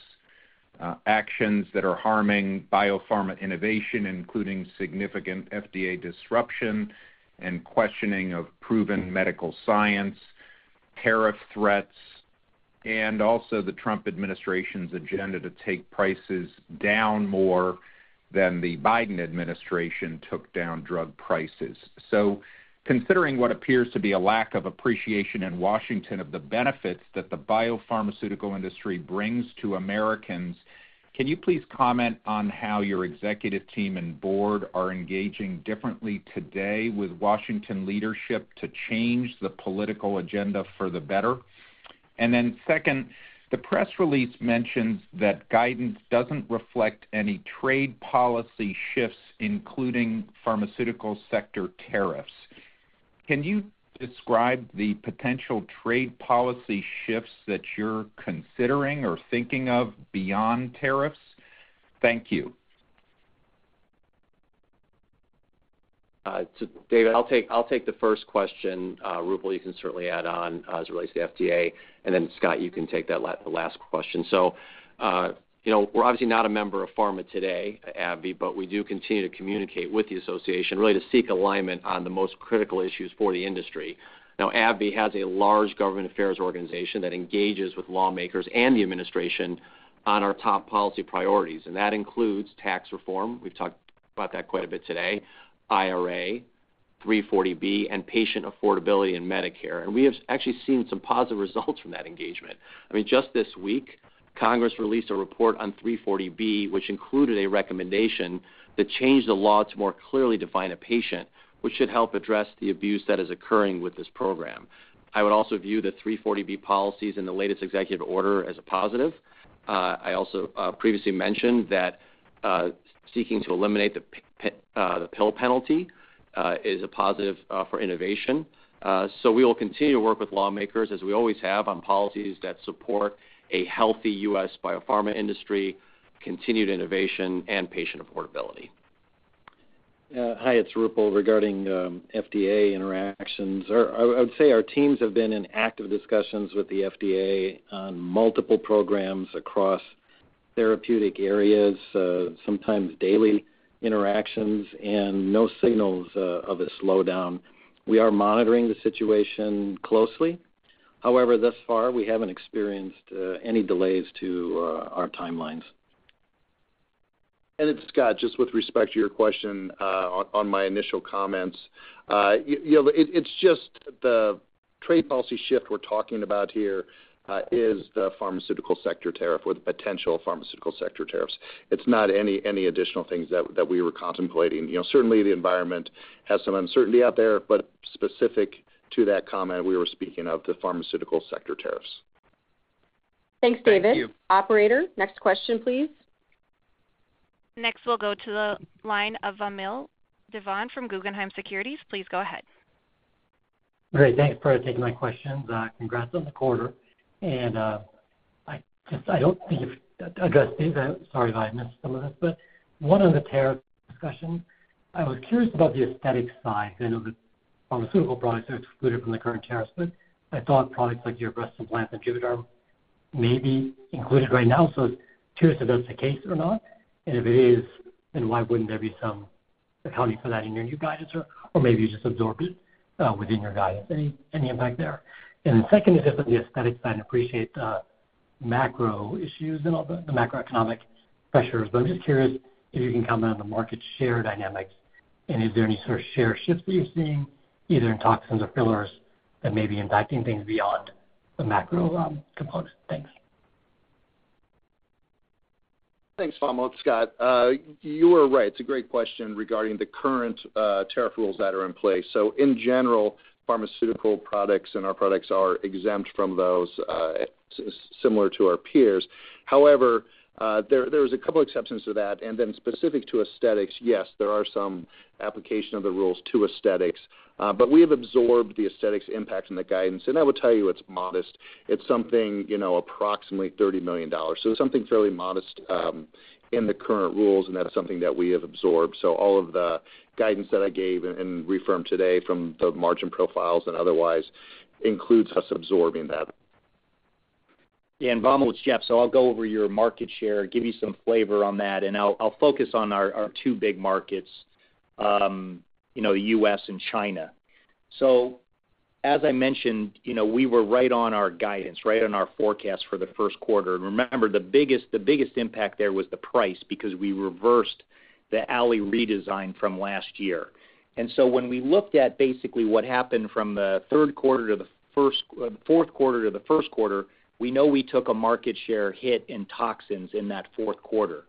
actions that are harming biopharma innovation, including significant FDA disruption and questioning of proven medical science, tariff threats, and also the Trump administration's agenda to take prices down more than the Biden administration took down drug prices. Considering what appears to be a lack of appreciation in Washington of the benefits that the biopharmaceutical industry brings to Americans, can you please comment on how your executive team and board are engaging differently today with Washington leadership to change the political agenda for the better? The press release mentions that guidance does not reflect any trade policy shifts, including pharmaceutical sector tariffs. Can you describe the potential trade policy shifts that you're considering or thinking of beyond tariffs? Thank you. David, I'll take the first question. Roopal, you can certainly add on as it relates to FDA. Scott, you can take the last question. We're obviously not a member of Pharma today, AbbVie, but we do continue to communicate with the association, really to seek alignment on the most critical issues for the industry. Now, AbbVie has a large government affairs organization that engages with lawmakers and the administration on our top policy priorities. That includes tax reform. We've talked about that quite a bit today, IRA, 340B, and patient affordability in Medicare. We have actually seen some positive results from that engagement. I mean, just this week, Congress released a report on 340B, which included a recommendation that changed the law to more clearly define a patient, which should help address the abuse that is occurring with this program. I would also view the 340B policies and the latest executive order as a positive. I also previously mentioned that seeking to eliminate the pill penalty is a positive for innovation. We will continue to work with lawmakers, as we always have, on policies that support a healthy U.S. biopharma industry, continued innovation, and patient affordability. Hi, it's Roopal regarding FDA interactions. I would say our teams have been in active discussions with the FDA on multiple programs across therapeutic areas, sometimes daily interactions, and no signals of a slowdown. We are monitoring the situation closely. However, thus far, we haven't experienced any delays to our timelines. It's Scott, just with respect to your question on my initial comments. It's just the trade policy shift we're talking about here is the pharmaceutical sector tariff or the potential pharmaceutical sector tariffs. It's not any additional things that we were contemplating. Certainly, the environment has some uncertainty out there. Specific to that comment, we were speaking of the pharmaceutical sector tariffs. Thanks, David. Thank you. Operator, next question, please. Next, we'll go to the line of Vamil Divan from Guggenheim Securities. Please go ahead. All right. Thanks for taking my questions. Congrats on the quarter. I do not think you have addressed these. Sorry if I missed some of this. One of the tariff discussions, I was curious about the aesthetic side. I know that pharmaceutical products are excluded from the current tariffs. I thought products like your breast implants and JUVÉDERM may be included right now. I was curious if that is the case or not. If it is, why would there not be some accounting for that in your new guidance? Or maybe you just absorbed it within your guidance? Any impact there? Second is just on the aesthetic side, I appreciate the macro issues and all the macroeconomic pressures. I am just curious if you can comment on the market share dynamics. Is there any sort of share shifts that you're seeing, either in toxins or fillers, that may be impacting things beyond the macro component? Thanks. Thanks, Vamil. It's Scott, you were right. It's a great question regarding the current tariff rules that are in place. In general, pharmaceutical products and our products are exempt from those, similar to our peers. However, there was a couple of exceptions to that. Specific to aesthetics, yes, there are some application of the rules to aesthetics. We have absorbed the aesthetics impact in the guidance. I will tell you it's modest. It's something approximately $30 million. It's something fairly modest in the current rules. That's something that we have absorbed. All of the guidance that I gave and reaffirmed today from the margin profiles and otherwise includes us absorbing that. Yeah. Vamil. It's Jeff. I'll go over your market share, give you some flavor on that. I'll focus on our two big markets, the U.S. and China. As I mentioned, we were right on our guidance, right on our forecast for the first quarter. Remember, the biggest impact there was the price because we reversed the Ally redesign from last year. When we looked at basically what happened from the third quarter to the fourth quarter to the first quarter, we know we took a market share hit in toxins in that fourth quarter.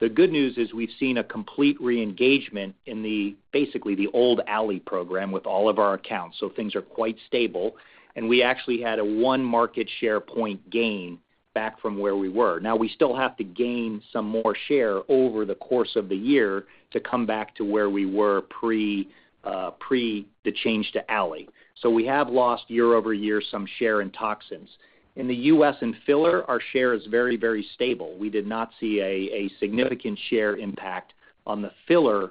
The good news is we've seen a complete re-engagement in basically the old Ally program with all of our accounts. Things are quite stable. We actually had a one market share point gain back from where we were. Now, we still have to gain some more share over the course of the year to come back to where we were pre the change to Ally. We have lost year over year some share in toxins. In the U.S. and filler, our share is very, very stable. We did not see a significant share impact on the filler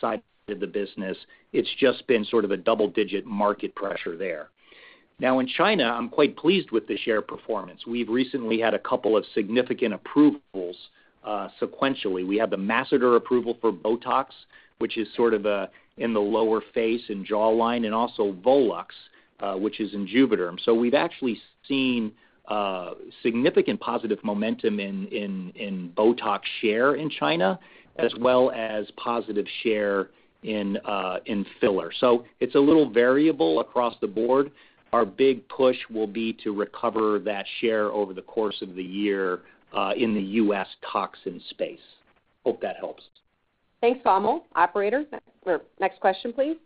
side of the business. It's just been sort of a double-digit market pressure there. Now, in China, I'm quite pleased with the share performance. We've recently had a couple of significant approvals sequentially. We have the masseter approval for BOTOX, which is sort of in the lower face and jawline, and also Volux, which is in JUVÉDERM. We've actually seen significant positive momentum in BOTOX share in China, as well as positive share in filler. It's a little variable across the board. Our big push will be to recover that share over the course of the year in the U.S. toxin space. Hope that helps. Thanks, Vamil. Operator, next question, please.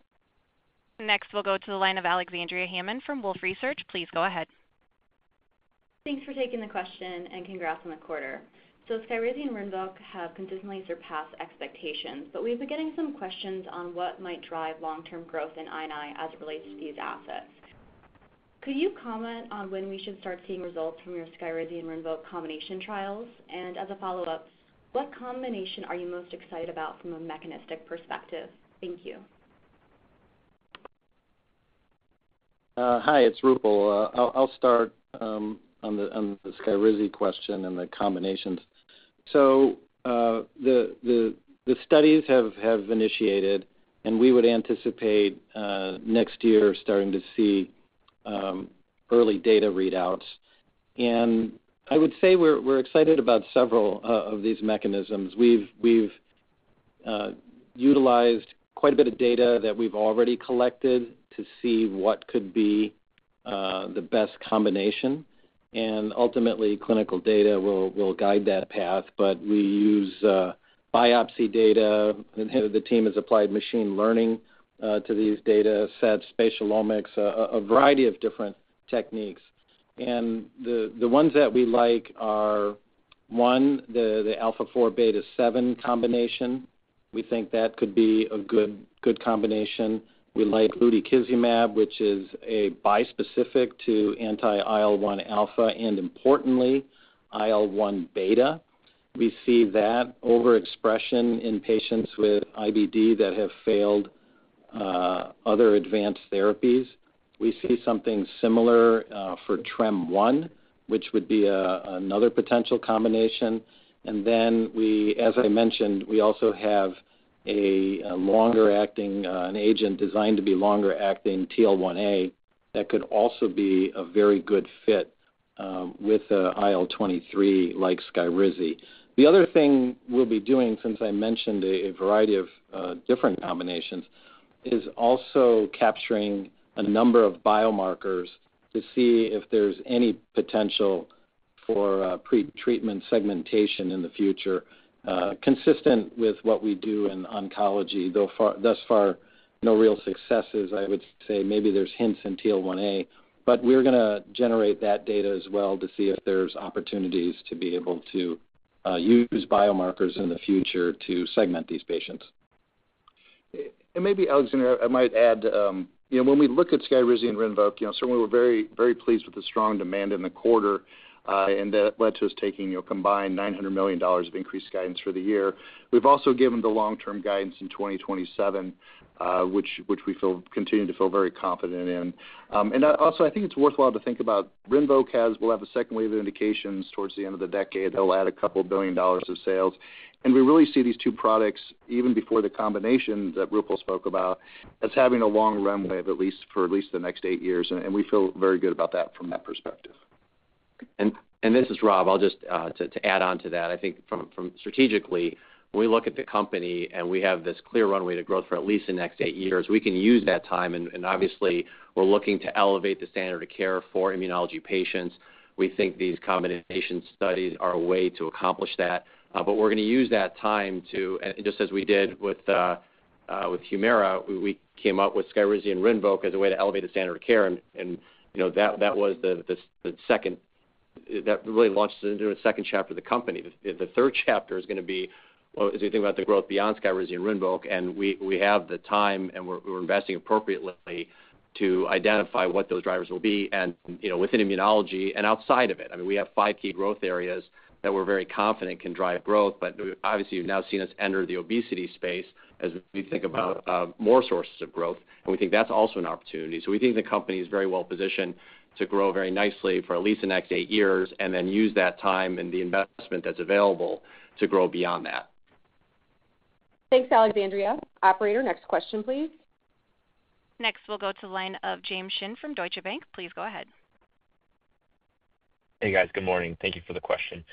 Next, we'll go to the line of Alexandria Hammond from Wolfe Research. Please go ahead. Thanks for taking the question. Congrats on the quarter. SKYRIZI and RINVOQ have consistently surpassed expectations. We've been getting some questions on what might drive long-term growth in I&I as it relates to these assets. Could you comment on when we should start seeing results from your SKYRIZI and RINVOQ combination trials? As a follow-up, what combination are you most excited about from a mechanistic perspective? Thank you. Hi, it's Roopal. I'll start on the SKYRIZI question and the combinations. The studies have initiated. We would anticipate next year starting to see early data readouts. I would say we're excited about several of these mechanisms. We've utilized quite a bit of data that we've already collected to see what could be the best combination. Ultimately, clinical data will guide that path. We use biopsy data. The team has applied machine learning to these data sets, spatial omics, a variety of different techniques. The ones that we like are, one, the alpha 4 beta 7 combination. We think that could be a good combination. We like lutikizumab, which is a bispecific to anti-IL-1 alpha and, importantly, IL-1 beta. We see that overexpression in patients with IBD that have failed other advanced therapies. We see something similar for TREM1, which would be another potential combination. As I mentioned, we also have an agent designed to be longer-acting TL1A that could also be a very good fit with IL-23 like SKYRIZI. The other thing we'll be doing, since I mentioned a variety of different combinations, is also capturing a number of biomarkers to see if there's any potential for pretreatment segmentation in the future, consistent with what we do in oncology. Thus far, no real successes, I would say. Maybe there's hints in TL1A. We're going to generate that data as well to see if there's opportunities to be able to use biomarkers in the future to segment these patients. Maybe, Alexandria, I might add, when we look at SKYRIZI and RINVOQ, certainly, we're very pleased with the strong demand in the quarter. That led to us taking a combined $900 million of increased guidance for the year. We've also given the long-term guidance in 2027, which we continue to feel very confident in. I think it's worthwhile to think about RINVOQ as we'll have a second wave of indications towards the end of the decade that will add a couple of billion dollars of sales. We really see these two products, even before the combination that Roopal spoke about, as having a long runway for at least the next eight years. We feel very good about that from that perspective. This is Rob. I'll just add on to that. I think strategically, when we look at the company and we have this clear runway to growth for at least the next eight years, we can use that time. Obviously, we're looking to elevate the standard of care for immunology patients. We think these combination studies are a way to accomplish that. We're going to use that time to, just as we did with HUMIRA, we came up with SKYRIZI and RINVOQ as a way to elevate the standard of care. That was the second that really launched into a second chapter of the company. The third chapter is going to be, as we think about the growth beyond SKYRIZI and RINVOQ. We have the time, and we're investing appropriately to identify what those drivers will be within immunology and outside of it. I mean, we have five key growth areas that we're very confident can drive growth. Obviously, you've now seen us enter the obesity space as we think about more sources of growth. We think that's also an opportunity. We think the company is very well positioned to grow very nicely for at least the next eight years and then use that time and the investment that's available to grow beyond that. Thanks, Alexandria. Operator, next question, please. Next, we'll go to the line of James Shin from Deutsche Bank. Please go ahead. Hey, guys. Good morning. Thank you for the question.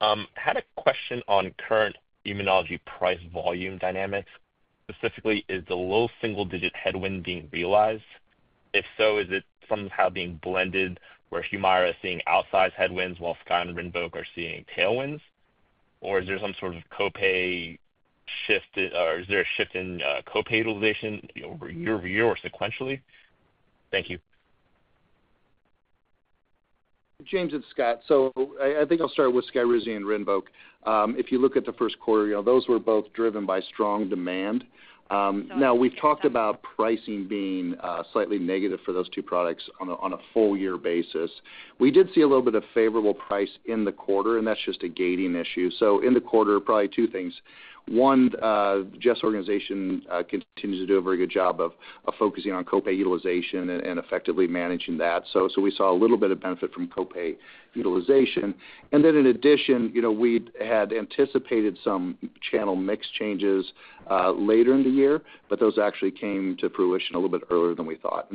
I had a question on current immunology price volume dynamics. Specifically, is the low single-digit headwind being realized? If so, is it somehow being blended where HUMIRA is seeing outsized headwinds while Sky and RINVOQ are seeing tailwinds? Or is there some sort of copay shift? Or is there a shift in copay utilization year over year or sequentially? Thank you. James, it's Scott, I think I'll start with SKYRIZI and RINVOQ. If you look at the first quarter, those were both driven by strong demand. Now, we've talked about pricing being slightly negative for those two products on a full-year basis. We did see a little bit of favorable price in the quarter. That's just a gating issue. In the quarter, probably two things. One, Jeff's organization continues to do a very good job of focusing on copay utilization and effectively managing that. We saw a little bit of benefit from copay utilization. In addition, we had anticipated some channel mix changes later in the year. Those actually came to fruition a little bit earlier than we thought.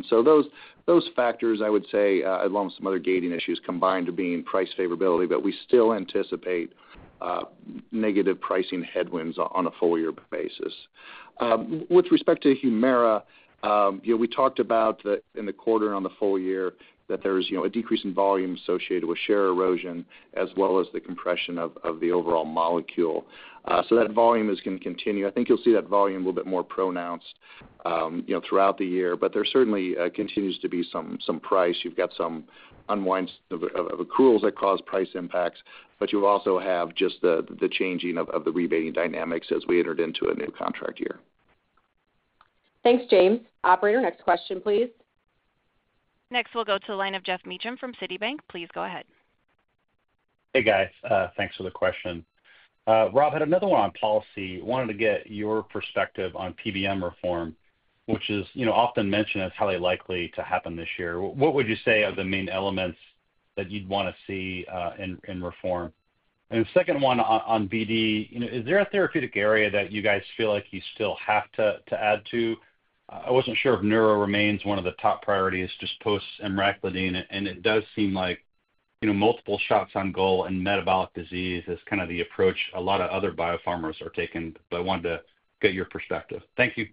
Those factors, I would say, along with some other gating issues, combined to being price favorability. We still anticipate negative pricing headwinds on a full-year basis. With respect to HUMIRA, we talked about in the quarter and on the full year that there's a decrease in volume associated with share erosion as well as the compression of the overall molecule. That volume is going to continue. I think you'll see that volume a little bit more pronounced throughout the year. There certainly continues to be some price. You've got some unwinds of accruals that cause price impacts. You also have just the changing of the rebating dynamics as we entered into a new contract year. Thanks, James. Operator, next question, please. Next, we'll go to the line of Geoff Meacham from Citibank. Please go ahead. Hey, guys. Thanks for the question. Rob had another one on policy. Wanted to get your perspective on PBM reform, which is often mentioned as highly likely to happen this year. What would you say are the main elements that you'd want to see in reform? The second one on TV, is there a therapeutic area that you guys feel like you still have to add to? I wasn't sure if neuro remains one of the top priorities, just post-emraclidine. It does seem like multiple shots on goal and metabolic disease is kind of the approach a lot of other biopharmers are taking. I wanted to get your perspective. Thank you.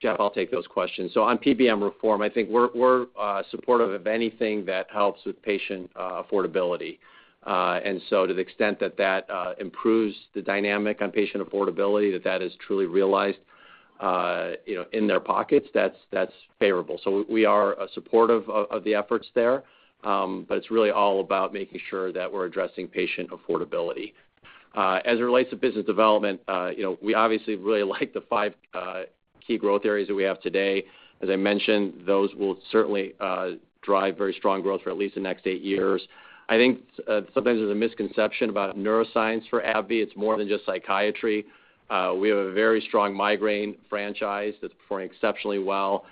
Jeff, I'll take those questions. On PBM reform, I think we're supportive of anything that helps with patient affordability. To the extent that that improves the dynamic on patient affordability, that is truly realized in their pockets, that's favorable. We are supportive of the efforts there. It's really all about making sure that we're addressing patient affordability. As it relates to business development, we obviously really like the five key growth areas that we have today. As I mentioned, those will certainly drive very strong growth for at least the next eight years. I think sometimes there's a misconception about neuroscience for AbbVie. It's more than just psychiatry. We have a very strong migraine franchise that's performing exceptionally well.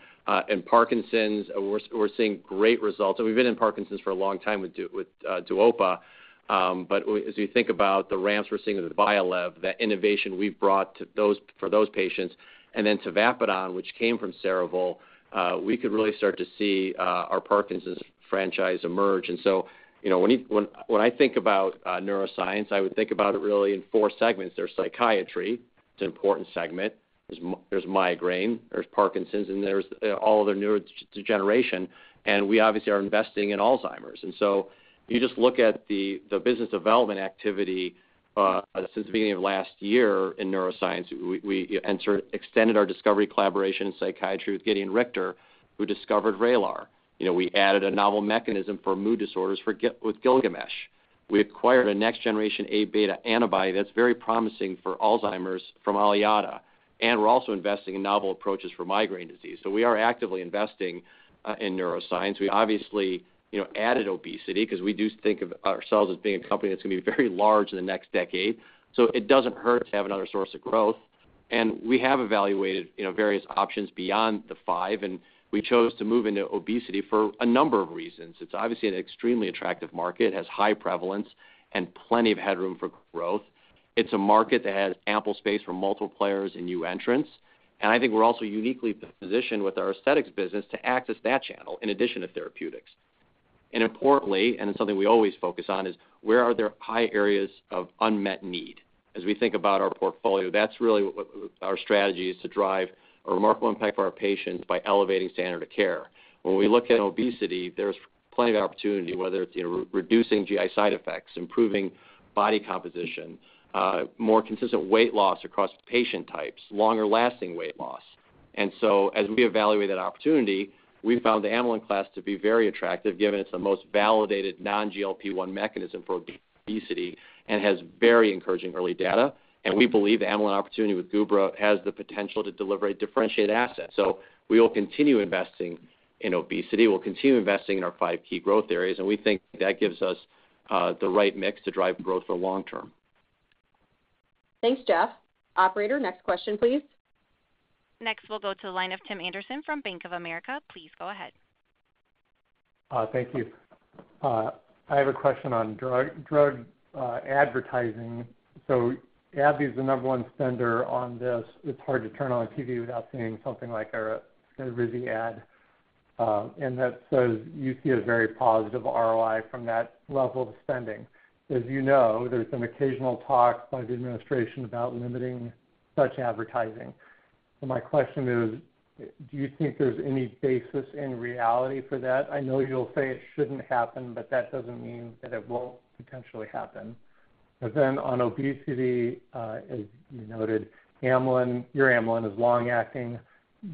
In Parkinson's, we're seeing great results. We've been in Parkinson's for a long time with Duopa. As you think about the ramps we're seeing with VYALEV, that innovation we've brought for those patients, and then Tavapadon, which came from Cerevel, we could really start to see our Parkinson's franchise emerge. When I think about neuroscience, I would think about it really in four segments. There's psychiatry. It's an important segment. There's migraine. There's Parkinson's. And there's all other neurodegeneration. We obviously are investing in Alzheimer's. If you just look at the business development activity since the beginning of last year in neuroscience, we extended our discovery collaboration in psychiatry with Gedeon Richter, who discovered VRAYLAR. We added a novel mechanism for mood disorders with Gilgamesh. We acquired a next-generation A beta antibody that's very promising for Alzheimer's from Aliada. We're also investing in novel approaches for migraine disease. We are actively investing in neuroscience. We obviously added obesity because we do think of ourselves as being a company that's going to be very large in the next decade. It doesn't hurt to have another source of growth. We have evaluated various options beyond the five. We chose to move into obesity for a number of reasons. It's obviously an extremely attractive market. It has high prevalence and plenty of headroom for growth. It's a market that has ample space for multiple players and new entrants. I think we're also uniquely positioned with our aesthetics business to access that channel in addition to therapeutics. Importantly, and it's something we always focus on, is where are there high areas of unmet need? As we think about our portfolio, that's really our strategy is to drive a remarkable impact for our patients by elevating standard of care. When we look at obesity, there's plenty of opportunity, whether it's reducing GI side effects, improving body composition, more consistent weight loss across patient types, longer-lasting weight loss. As we evaluate that opportunity, we found the amylin class to be very attractive, given it's the most validated non-GLP-1 mechanism for obesity and has very encouraging early data. We believe the amylin opportunity with Gubra has the potential to deliver a differentiated asset. We will continue investing in obesity. We'll continue investing in our five key growth areas. We think that gives us the right mix to drive growth for long term. Thanks, Jeff. Operator, next question, please. Next, we'll go to the line of Tim Anderson from Bank of America. Please go ahead. Thank you. I have a question on drug advertising. AbbVie is the number one spender on this. It's hard to turn on a TV without seeing something like a SKYRIZI ad. That says you see a very positive ROI from that level of spending. As you know, there's been occasional talk by the administration about limiting such advertising. My question is, do you think there's any basis in reality for that? I know you'll say it shouldn't happen, but that doesn't mean that it won't potentially happen. On obesity, as you noted, your amylin is long-acting.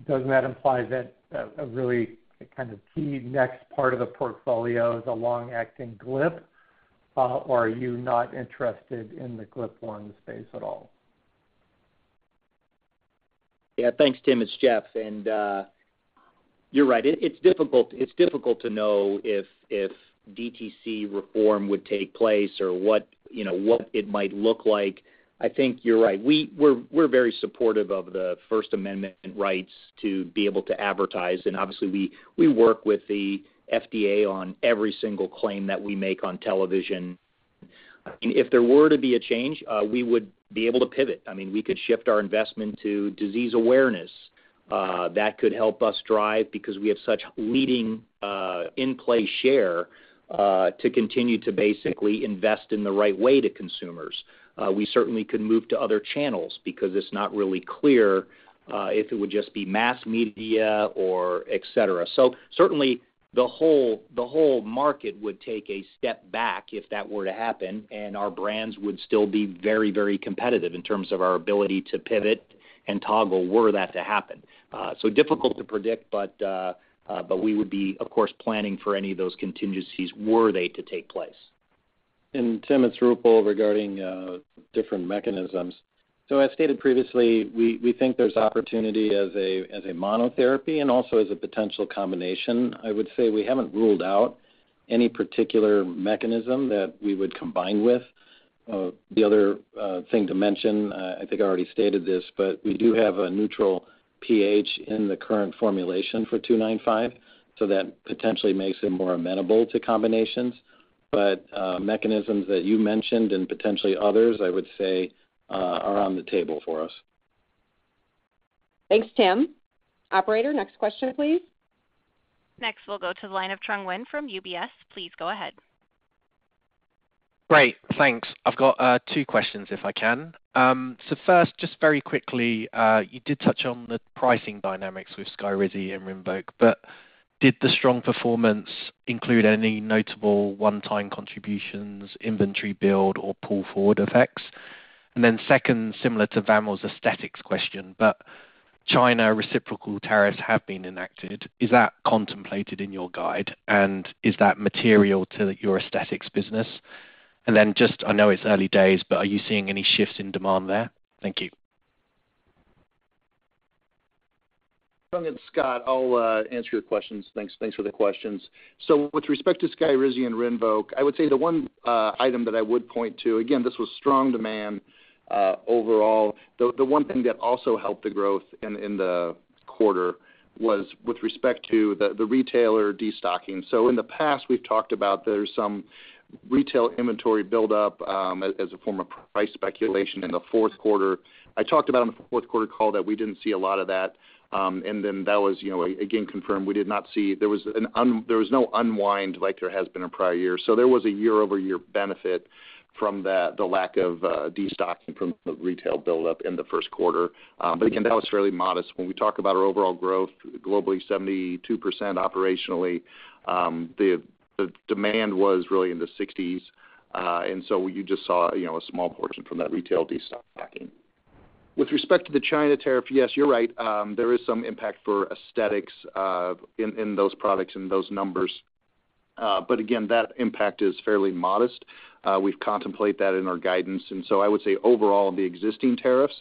Doesn't that imply that a really kind of key next part of the portfolio is a long-acting GLP-1? Or are you not interested in the GLP-1 space at all? Yeah. Thanks, Tim. It's Jeff. You're right. It's difficult to know if DTC reform would take place or what it might look like. I think you're right. We're very supportive of the First Amendment rights to be able to advertise. Obviously, we work with the FDA on every single claim that we make on television. I mean, if there were to be a change, we would be able to pivot. I mean, we could shift our investment to disease awareness. That could help us drive because we have such leading in-play share to continue to basically invest in the right way to consumers. We certainly could move to other channels because it's not really clear if it would just be mass media or etc. Certainly, the whole market would take a step back if that were to happen. Our brands would still be very, very competitive in terms of our ability to pivot and toggle were that to happen. Difficult to predict. We would be, of course, planning for any of those contingencies were they to take place. Tim, it's Roopal regarding different mechanisms. As stated previously, we think there's opportunity as a monotherapy and also as a potential combination. I would say we haven't ruled out any particular mechanism that we would combine with. The other thing to mention, I think I already stated this, but we do have a neutral pH in the current formulation for 295. That potentially makes it more amenable to combinations. Mechanisms that you mentioned and potentially others, I would say, are on the table for us. Thanks, Tim. Operator, next question, please. Next, we'll go to the line of Trang Nguyen from UBS. Please go ahead. Great. Thanks. I've got two questions if I can. First, just very quickly, you did touch on the pricing dynamics with SKYRIZI and RINVOQ. Did the strong performance include any notable one-time contributions, inventory build, or pull-forward effects? Second, similar to Vamil's aesthetics question, China reciprocal tariffs have been enacted. Is that contemplated in your guide? Is that material to your aesthetics business? I know it's early days, but are you seeing any shifts in demand there? Thank you. Trang, it's Scott, I'll answer your questions. Thanks for the questions. With respect to SKYRIZI and RINVOQ, I would say the one item that I would point to, again, this was strong demand overall. The one thing that also helped the growth in the quarter was with respect to the retailer destocking. In the past, we've talked about there's some retail inventory buildup as a form of price speculation in the fourth quarter. I talked about in the fourth quarter call that we didn't see a lot of that. That was, again, confirmed. We did not see there was no unwind like there has been in prior years. There was a year-over-year benefit from the lack of destocking from the retail buildup in the first quarter. Again, that was fairly modest. When we talk about our overall growth, globally 72% operationally, the demand was really in the 60s. You just saw a small portion from that retail destocking. With respect to the China tariff, yes, you're right. There is some impact for aesthetics in those products and those numbers. That impact is fairly modest. We've contemplated that in our guidance. I would say overall, in the existing tariffs,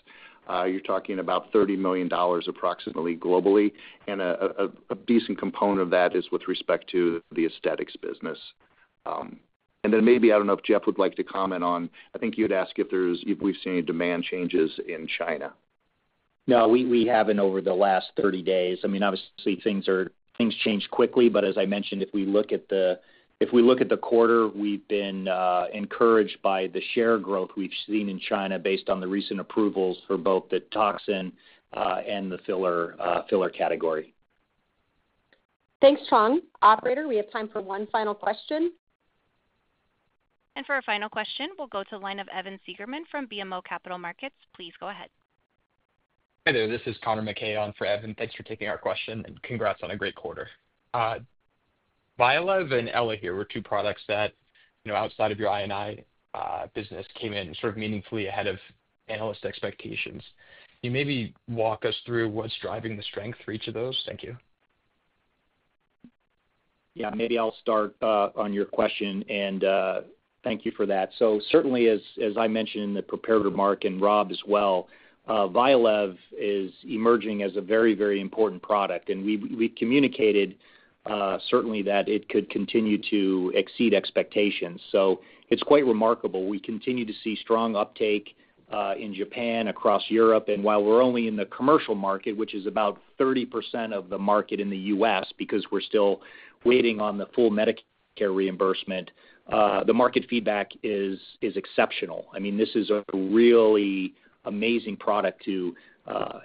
you're talking about $30 million approximately globally. A decent component of that is with respect to the aesthetics business. Maybe, I don't know if Jeff would like to comment on, I think you had asked if we've seen any demand changes in China. No, we haven't over the last 30 days. I mean, obviously, things change quickly. As I mentioned, if we look at the quarter, we've been encouraged by the share growth we've seen in China based on the recent approvals for both the toxin and the filler category. Thanks, Trang. Operator, we have time for one final question. For our final question, we'll go to the line of Evan Seigerman from BMO Capital Markets. Please go ahead. Hi there. This is Connor McKay on for Evan. Thanks for taking our question. Congrats on a great quarter. VYALEV and ELAHERE were two products that, outside of your I&I business, came in sort of meaningfully ahead of analyst expectations. Can you maybe walk us through what's driving the strength for each of those? Thank you. Yeah. Maybe I'll start on your question. Thank you for that. Certainly, as I mentioned in the prepared remark and Rob as well, VYALEV is emerging as a very, very important product. We communicated certainly that it could continue to exceed expectations. It's quite remarkable. We continue to see strong uptake in Japan, across Europe. While we're only in the commercial market, which is about 30% of the market in the U.S. because we're still waiting on the full Medicare reimbursement, the market feedback is exceptional. I mean, this is a really amazing product to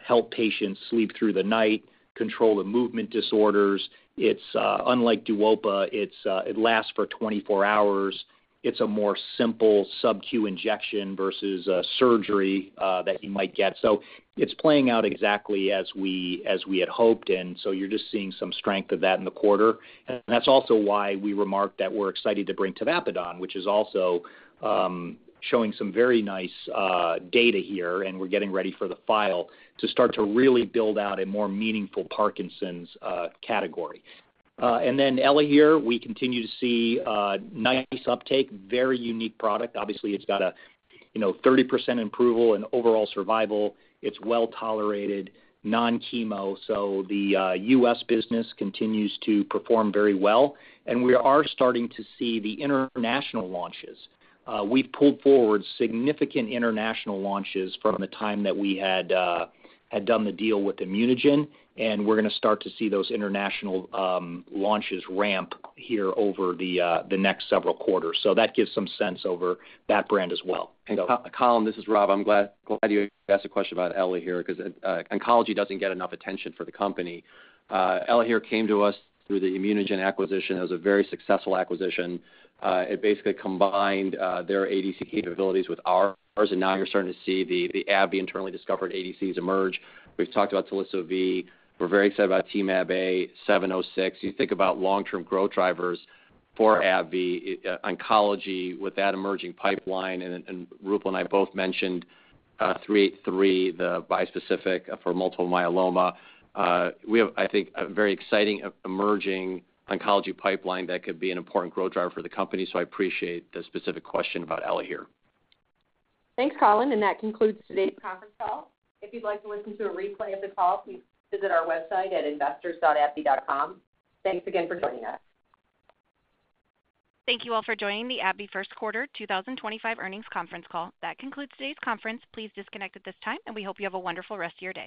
help patients sleep through the night, control the movement disorders. It's unlike Duopa. It lasts for 24 hours. It's a more simple subcu injection versus a surgery that you might get. It's playing out exactly as we had hoped. You're just seeing some strength of that in the quarter. That's also why we remarked that we're excited to bring Tavapadon, which is also showing some very nice data here. We're getting ready for the file to start to really build out a more meaningful Parkinson's category. ELAHERE, we continue to see nice uptake, very unique product. Obviously, it's got a 30% improvement in overall survival. It's well tolerated, non-chemo. The U.S. business continues to perform very well. We are starting to see the international launches. We've pulled forward significant international launches from the time that we had done the deal with ImmunoGen. We're going to start to see those international launches ramp here over the next several quarters. That gives some sense over that brand as well. Conor, this is Rob. I'm glad you asked a question about ELAHERE because oncology doesn't get enough attention for the company. ELAHERE came to us through the ImmunoGen acquisition. It was a very successful acquisition. It basically combined their ADC capabilities with ours. Now you're starting to see the AbbVie internally discovered ADCs emerge. We've talked about telisotuzumab Vedotin. We're very excited about Temab-706. You think about long-term growth drivers for AbbVie, oncology with that emerging pipeline. Roopal and I both mentioned 383, the bispecific for multiple myeloma. We have, I think, a very exciting emerging oncology pipeline that could be an important growth driver for the company. I appreciate the specific question about ELAHERE. Thanks, Colin. That concludes today's conference call. If you'd like to listen to a replay of the call, please visit our website at investors.abbvie.com. Thanks again for joining us. Thank you all for joining the AbbVie First Quarter 2025 Earnings Conference Call. That concludes today's conference. Please disconnect at this time. We hope you have a wonderful rest of your day.